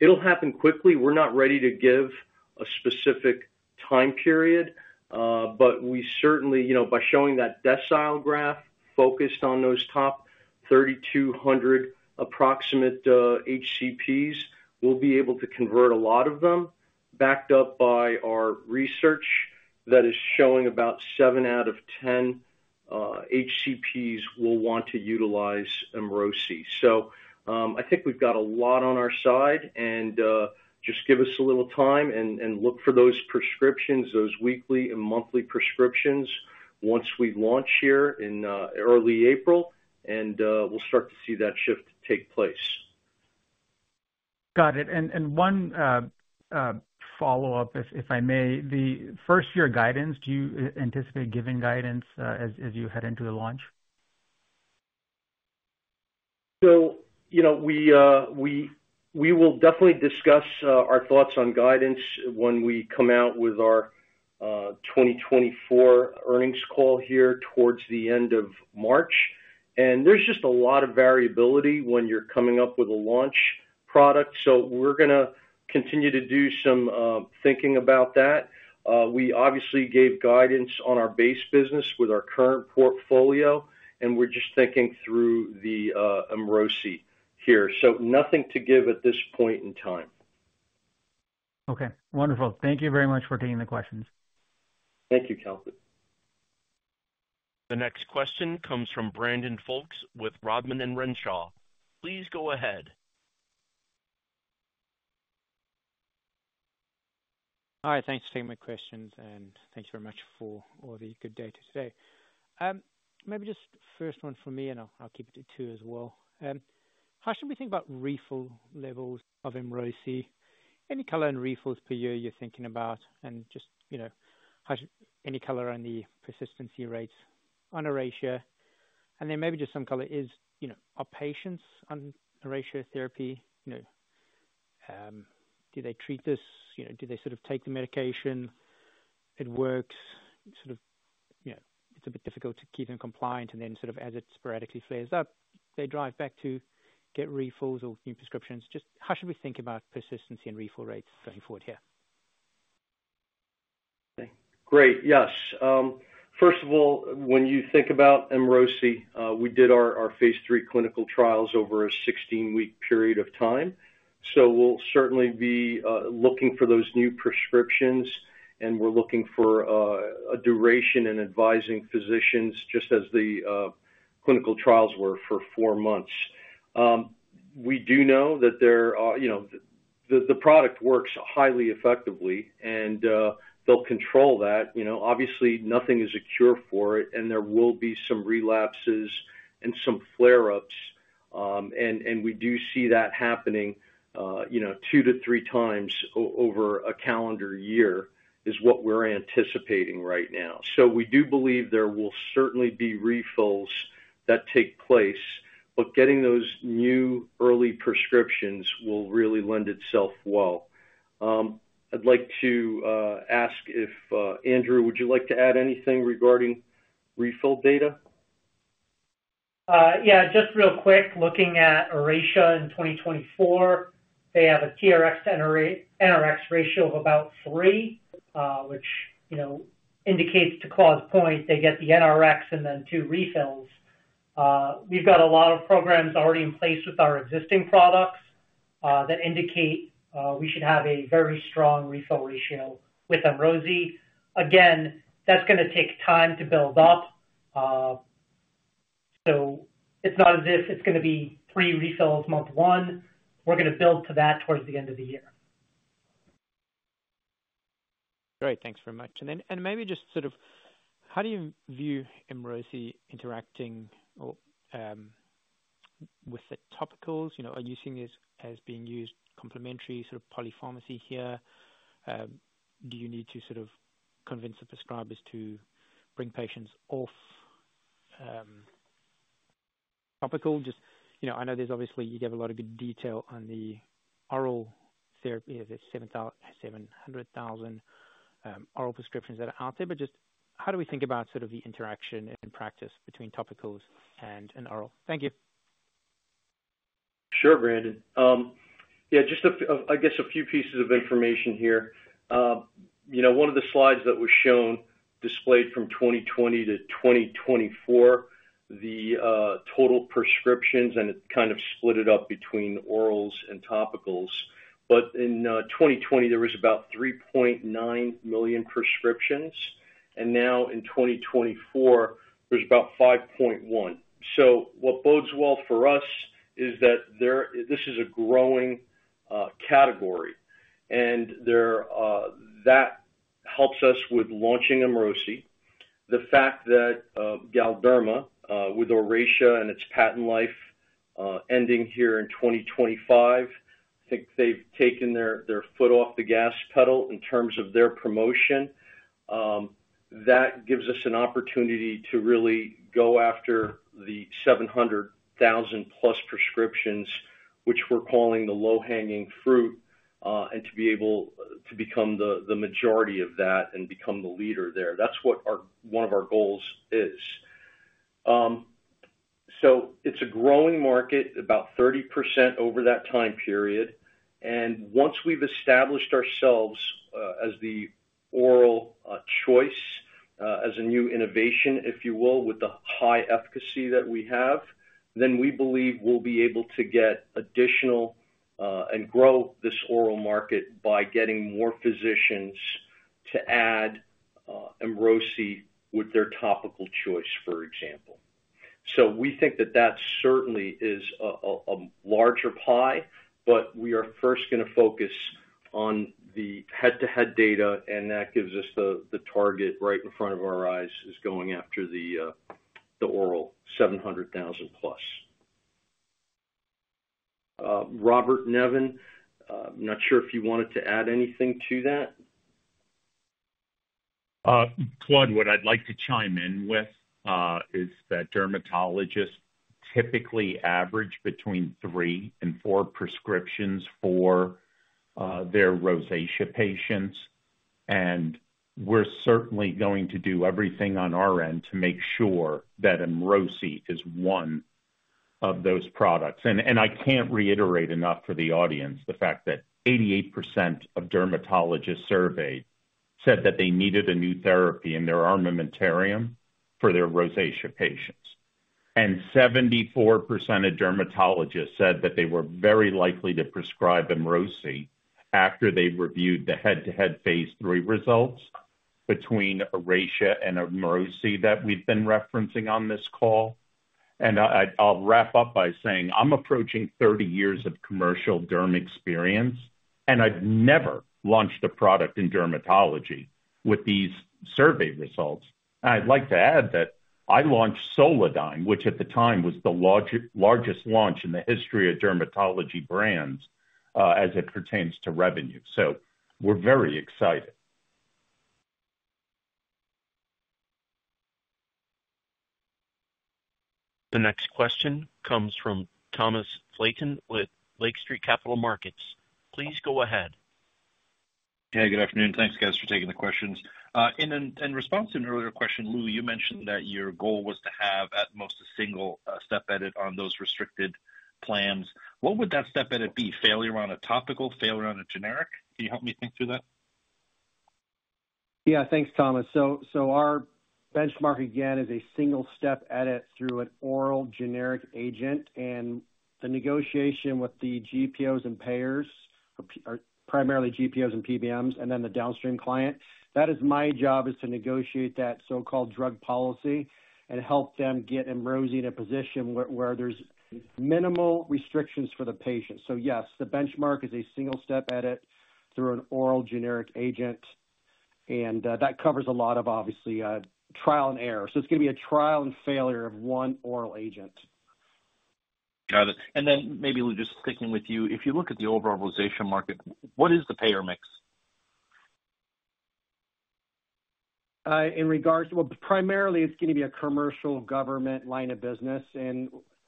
It'll happen quickly. We're not ready to give a specific time period, but we certainly, by showing that decile graph focused on those top 3,200 approximate HCPs, will be able to convert a lot of them, backed up by our research that is showing about 7 out of 10 HCPs will want to utilize Emrosi. I think we've got a lot on our side. Just give us a little time and look for those prescriptions, those weekly and monthly prescriptions once we launch here in early April, and we'll start to see that shift take place. Got it. One follow-up, if I may. The first-year guidance, do you anticipate giving guidance as you head into the launch? We will definitely discuss our thoughts on guidance when we come out with our 2024 earnings call here towards the end of March. There is just a lot of variability when you're coming up with a launch product. We're going to continue to do some thinking about that. We obviously gave guidance on our base business with our current portfolio, and we're just thinking through the Emrosi here. Nothing to give at this point in time. Okay. Wonderful. Thank you very much for taking the questions. Thank you, Kalpit. The next question comes from Brandon Folkes with Rodman and Renshaw. Please go ahead. Hi. Thanks for taking my questions, and thank you very much for all the good data today. Maybe just first one from me, and I'll keep it to two as well. How should we think about refill levels of Emrosi? Any color in refills per year you're thinking about? Just any color on the persistency rates on Oracea? Maybe just some color, as our patients on Oracea therapy, do they treat this? Do they sort of take the medication? It works. Sort of it's a bit difficult to keep them compliant. As it sporadically flares up, they drive back to get refills or new prescriptions. Just how should we think about persistency and refill rates going forward here? Great. Yes. First of all, when you think about Emrosi, we did our phase III clinical trials over a 16-week period of time. We will certainly be looking for those new prescriptions, and we are looking for a duration and advising physicians just as the clinical trials were for four months. We do know that the product works highly effectively, and they will control that. Obviously, nothing is a cure for it, and there will be some relapses and some flare-ups. We do see that happening two to three times over a calendar year is what we are anticipating right now. We do believe there will certainly be refills that take place, but getting those new early prescriptions will really lend itself well. I would like to ask if Andrew, would you like to add anything regarding refill data? Yeah. Just real quick, looking at Oracea in 2024, they have a TRX to NRX ratio of about three, which indicates to Claude's point, they get the NRX and then two refills. We've got a lot of programs already in place with our existing products that indicate we should have a very strong refill ratio with Emrosi. Again, that's going to take time to build up. It's not as if it's going to be three refills month one. We're going to build to that towards the end of the year. Great. Thanks very much. Maybe just sort of how do you view Emrosi interacting with the topicals? Are you seeing this as being used complementary, sort of polypharmacy here? Do you need to sort of convince the prescribers to bring patients off topical? I know there's obviously you gave a lot of good detail on the oral therapy, the 700,000 oral prescriptions that are out there, but just how do we think about sort of the interaction in practice between topicals and an oral? Thank you. Sure, Brandon. Yeah, just I guess a few pieces of information here. One of the slides that was shown displayed from 2020 to 2024, the total prescriptions, and it kind of split it up between orals and topicals. In 2020, there was about 3.9 million prescriptions. Now in 2024, there's about 5.1 million. What bodes well for us is that this is a growing category. That helps us with launching Emrosi. The fact that Galderma, with Oracea and its patent life ending here in 2025, I think they've taken their foot off the gas pedal in terms of their promotion. That gives us an opportunity to really go after the 700,000-plus prescriptions, which we're calling the low-hanging fruit, and to be able to become the majority of that and become the leader there. That's what one of our goals is. It's a growing market, about 30% over that time period. Once we've established ourselves as the oral choice, as a new innovation, if you will, with the high efficacy that we have, we believe we'll be able to get additional and grow this oral market by getting more physicians to add Emrosi with their topical choice, for example. We think that certainly is a larger pie, but we are first going to focus on the head-to-head data, and that gives us the target right in front of our eyes, going after the oral 700,000-plus. Robert Nevin, I'm not sure if you wanted to add anything to that. Claude, what I'd like to chime in with is that dermatologists typically average between three and four prescriptions for their rosacea patients. We're certainly going to do everything on our end to make sure that Emrosi is one of those products. I can't reiterate enough for the audience the fact that 88% of dermatologists surveyed said that they needed a new therapy in their armamentarium for their rosacea patients. 74% of dermatologists said that they were very likely to prescribe Emrosi after they've reviewed the head-to-head phase III results between Oracea and Emrosi that we've been referencing on this call. I'll wrap up by saying I'm approaching 30 years of commercial derm experience, and I've never launched a product in dermatology with these survey results. I'd like to add that I launched Solidyne, which at the time was the largest launch in the history of dermatology brands as it pertains to revenue. So we're very excited. The next question comes from Thomas Flaten with Lake Street Capital Markets. Please go ahead. Hey, good afternoon. Thanks, guys, for taking the questions. In response to an earlier question, Lou, you mentioned that your goal was to have at most a single step edit on those restricted plans. What would that step edit be? Failure on a topical, failure on a generic? Can you help me think through that? Yeah. Thanks, Thomas. Our benchmark, again, is a single step edit through an oral generic agent. The negotiation with the GPOs and payers, primarily GPOs and PBMs, and then the downstream client, that is my job is to negotiate that so-called drug policy and help them get Emrosi in a position where there's minimal restrictions for the patient. Yes, the benchmark is a single step edit through an oral generic agent. That covers a lot of, obviously, trial and error. It's going to be a trial and failure of one oral agent. Got it. Maybe just sticking with you, if you look at the overall rosacea market, what is the payer mix? In regards to, primarily, it's going to be a commercial government line of business.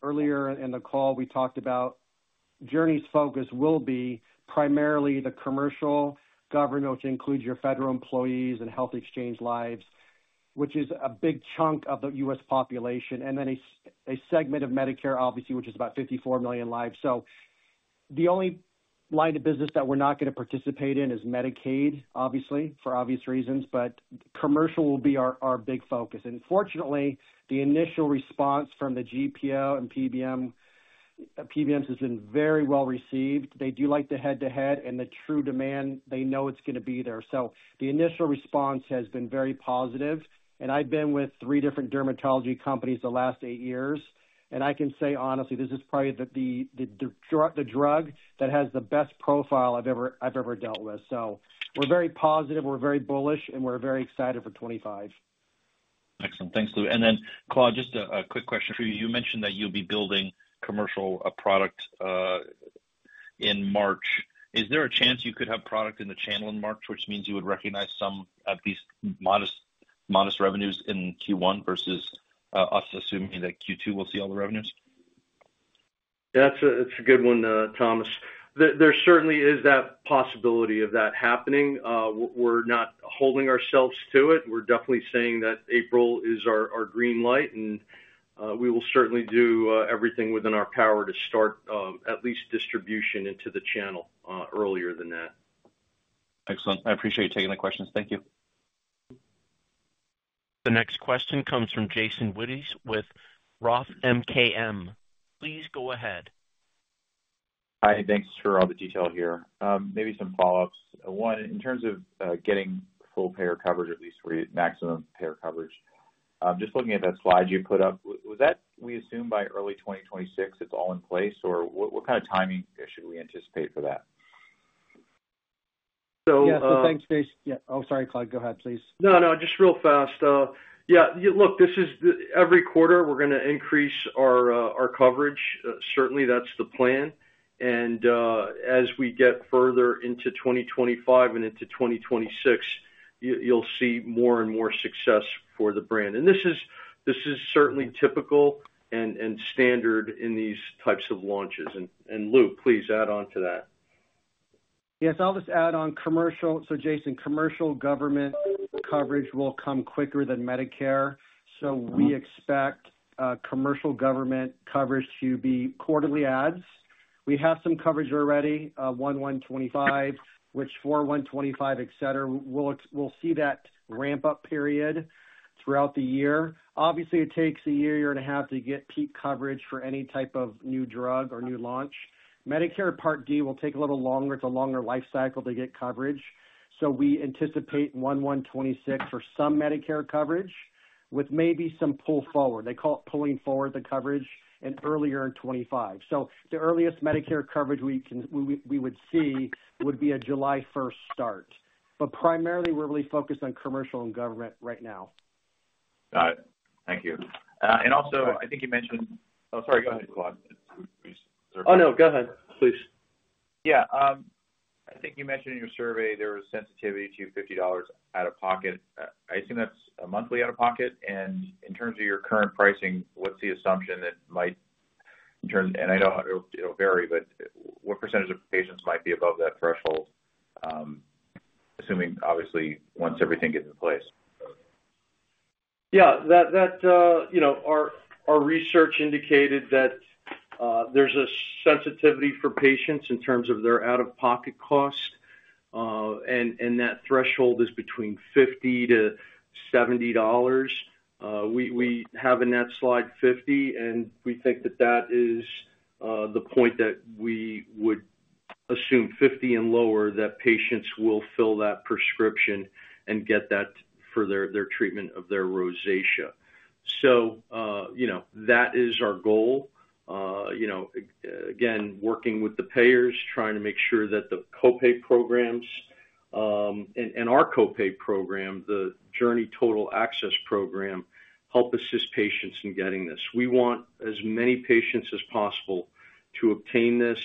Earlier in the call, we talked about Journey's focus will be primarily the commercial government, which includes your federal employees and health exchange lives, which is a big chunk of the U.S. population, and then a segment of Medicare, obviously, which is about 54 million lives. The only line of business that we're not going to participate in is Medicaid, obviously, for obvious reasons. Commercial will be our big focus. Fortunately, the initial response from the GPO and PBMs has been very well received. They do like the head-to-head, and the true demand, they know it's going to be there. The initial response has been very positive. I've been with three different dermatology companies the last eight years. I can say honestly, this is probably the drug that has the best profile I've ever dealt with. We are very positive. We are very bullish, and we are very excited for 2025. Excellent. Thanks, Lou. Claude, just a quick question for you. You mentioned that you'll be building a commercial product in March. Is there a chance you could have product in the channel in March, which means you would recognize some at least modest revenues in Q1 versus us assuming that Q2 we'll see all the revenues? Yeah, it's a good one, Thomas. There certainly is that possibility of that happening. We're not holding ourselves to it. We're definitely saying that April is our green light, and we will certainly do everything within our power to start at least distribution into the channel earlier than that. Excellent. I appreciate you taking the questions. Thank you. The next question comes from Jason Wittes with Roth MKM. Please go ahead. Hi. Thanks for all the detail here. Maybe some follow-ups. One, in terms of getting full payer coverage, at least maximum payer coverage, just looking at that slide you put up, was that we assume by early 2026 it's all in place, or what kind of timing should we anticipate for that? Yeah. Thanks, Jason. Oh, sorry, Claude. Go ahead, please. No, no. Just real fast. Yeah. Look, this is every quarter, we're going to increase our coverage. Certainly, that's the plan. As we get further into 2025 and into 2026, you'll see more and more success for the brand. This is certainly typical and standard in these types of launches. Lou, please add on to that. Yes. I'll just add on commercial. Jason, commercial government coverage will come quicker than Medicare. We expect commercial government coverage to be quarterly ads. We have some coverage already, January 1st 2025, which April 1st 2025, etc. We'll see that ramp-up period throughout the year. Obviously, it takes a year, year and a half to get peak coverage for any type of new drug or new launch. Medicare Part D will take a little longer. It's a longer life cycle to get coverage. We anticipate January 1st 2026 for some Medicare coverage with maybe some pull forward. They call it pulling forward the coverage in earlier in 2025. The earliest Medicare coverage we would see would be a July 1st start. Primarily, we're really focused on commercial and government right now. Got it. Thank you. I think you mentioned oh, sorry. Go ahead, Claude. Oh, no. Go ahead, please. Yeah. I think you mentioned in your survey there was sensitivity to $50 out of pocket. I assume that's a monthly out of pocket. In terms of your current pricing, what's the assumption that might, in terms, and I know it'll vary, but what percentage of patients might be above that threshold, assuming, obviously, once everything gets in place? Yeah. Our research indicated that there's a sensitivity for patients in terms of their out-of-pocket cost, and that threshold is between $50-$70. We have in that slide $50, and we think that that is the point that we would assume $50 and lower that patients will fill that prescription and get that for their treatment of their rosacea. That is our goal. Again, working with the payers, trying to make sure that the copay programs and our copay program, the Journey Total Access program, help assist patients in getting this. We want as many patients as possible to obtain this,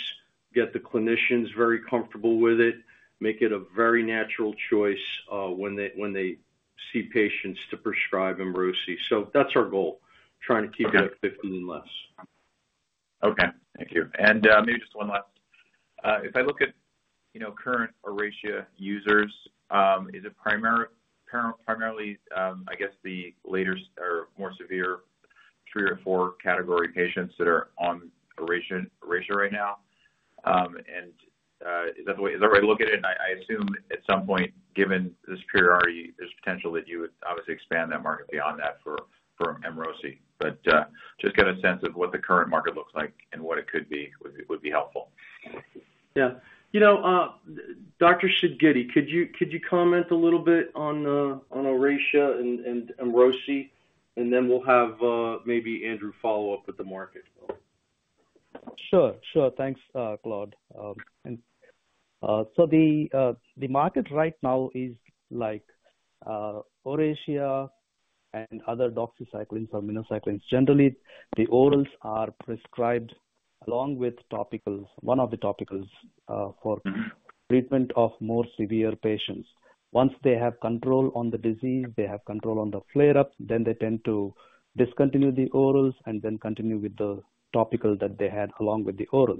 get the clinicians very comfortable with it, make it a very natural choice when they see patients to prescribe Emrosi. That is our goal, trying to keep it at $50 and less. Okay. Thank you. Maybe just one last, if I look at current Oracea users, is it primarily, I guess, the later or more severe three or four category patients that are on Oracea right now? Is that the way you look at it? I assume at some point, given this priority, there's potential that you would obviously expand that market beyond that for Emrosi. Just get a sense of what the current market looks like and what it could be would be helpful. Yeah. Dr. Sidgiddi, could you comment a little bit on Oracea and Emrosi? And then we'll have maybe Andrew follow up with the market. Sure. Thanks, Claude. The market right now is Oracea and other doxycycline or minocyclines. Generally, the orals are prescribed along with topicals, one of the topicals for treatment of more severe patients. Once they have control on the disease, they have control on the flare-up, then they tend to discontinue the orals and then continue with the topical that they had along with the oral.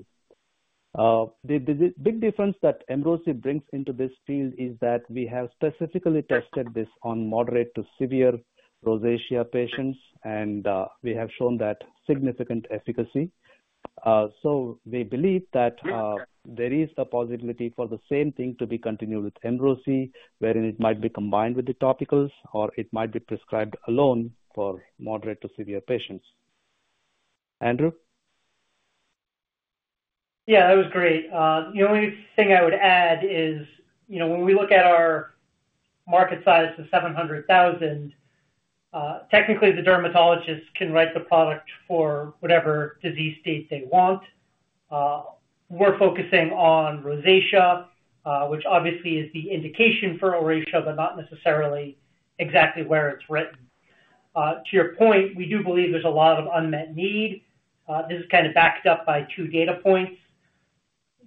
The big difference that Emrosi brings into this field is that we have specifically tested this on moderate to severe rosacea patients, and we have shown that significant efficacy. We believe that there is a possibility for the same thing to be continued with Emrosi, wherein it might be combined with the topicals, or it might be prescribed alone for moderate to severe patients. Andrew? Yeah. That was great. The only thing I would add is when we look at our market size of 700,000, technically, the dermatologist can write the product for whatever disease state they want. We're focusing on rosacea, which obviously is the indication for Oracea, but not necessarily exactly where it's written. To your point, we do believe there's a lot of unmet need. This is kind of backed up by two data points.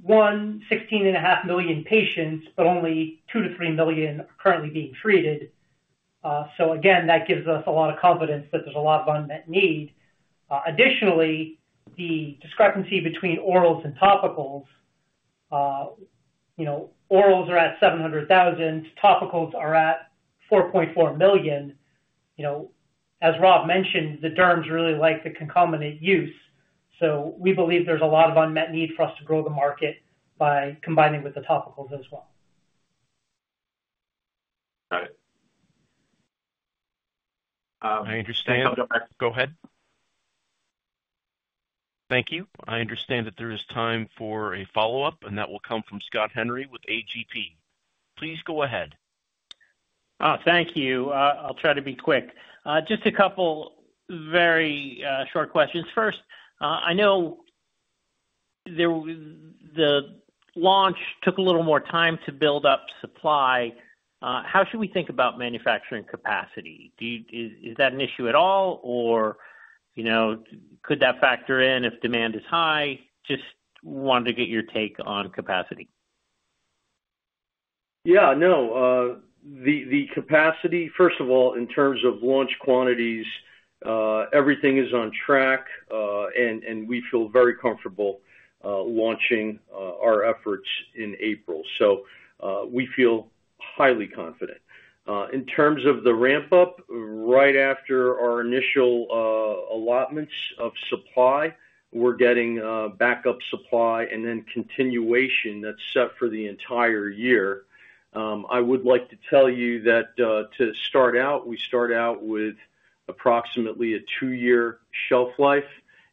One, 16.5 million patients, but only 2 million-3 million are currently being treated. That gives us a lot of confidence that there's a lot of unmet need. Additionally, the discrepancy between orals and topicals, orals are at 700,000, topicals are at 4.4 million. As Rob mentioned, the derms really like the concomitant use. We believe there's a lot of unmet need for us to grow the market by combining with the topicals as well. Got it. I understand. Go ahead. Thank you. I understand that there is time for a follow-up, and that will come from Scott Henry with AGP. Please go ahead. Thank you. I'll try to be quick. Just a couple of very short questions. First, I know the launch took a little more time to build up supply. How should we think about manufacturing capacity? Is that an issue at all, or could that factor in if demand is high? Just wanted to get your take on capacity. Yeah. No. The capacity, first of all, in terms of launch quantities, everything is on track, and we feel very comfortable launching our efforts in April. We feel highly confident. In terms of the ramp-up, right after our initial allotments of supply, we're getting backup supply and then continuation that's set for the entire year. I would like to tell you that to start out, we start out with approximately a two-year shelf life,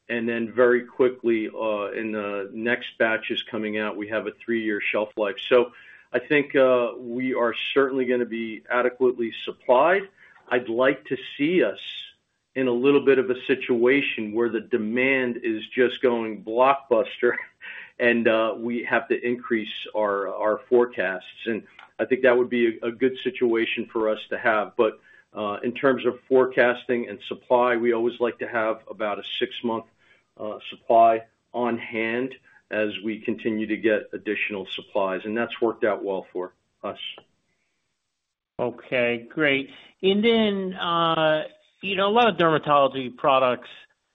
and then very quickly, in the next batches coming out, we have a three-year shelf life. I think we are certainly going to be adequately supplied. I'd like to see us in a little bit of a situation where the demand is just going blockbuster, and we have to increase our forecasts. I think that would be a good situation for us to have. In terms of forecasting and supply, we always like to have about a six-month supply on hand as we continue to get additional supplies. That's worked out well for us. Okay. Great. A lot of dermatology products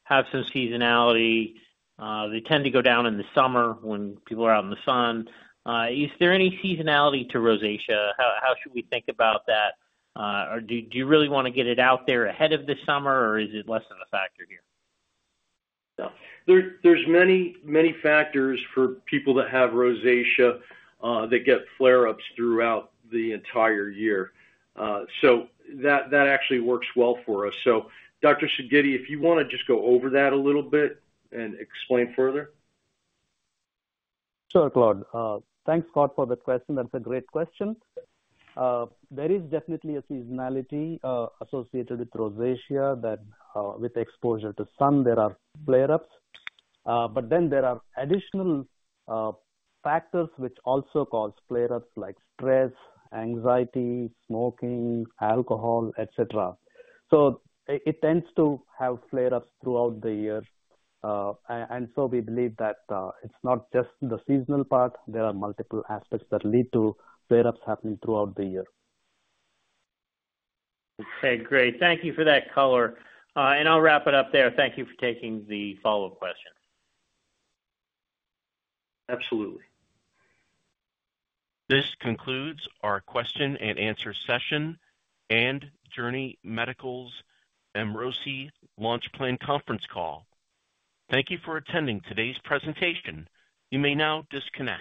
have some seasonality. They tend to go down in the summer when people are out in the sun. Is there any seasonality to rosacea? How should we think about that? Do you really want to get it out there ahead of the summer, or is it less of a factor here? are many factors for people that have rosacea that get flare-ups throughout the entire year. That actually works well for us. Dr. Sidgiddi, if you want to just go over that a little bit and explain further. Sure, Claude. Thanks, Scott, for the question. That's a great question. There is definitely a seasonality associated with rosacea that with exposure to sun, there are flare-ups. There are additional factors which also cause flare-ups like stress, anxiety, smoking, alcohol, etc. It tends to have flare-ups throughout the year. We believe that it's not just the seasonal part. There are multiple aspects that lead to flare-ups happening throughout the year. Okay. Great. Thank you for that color. I'll wrap it up there. Thank you for taking the follow-up question. Absolutely. This concludes our question-and-answer session and Journey Medical's Emrosi Launch Plan Conference Call. Thank you for attending today's presentation. You may now disconnect.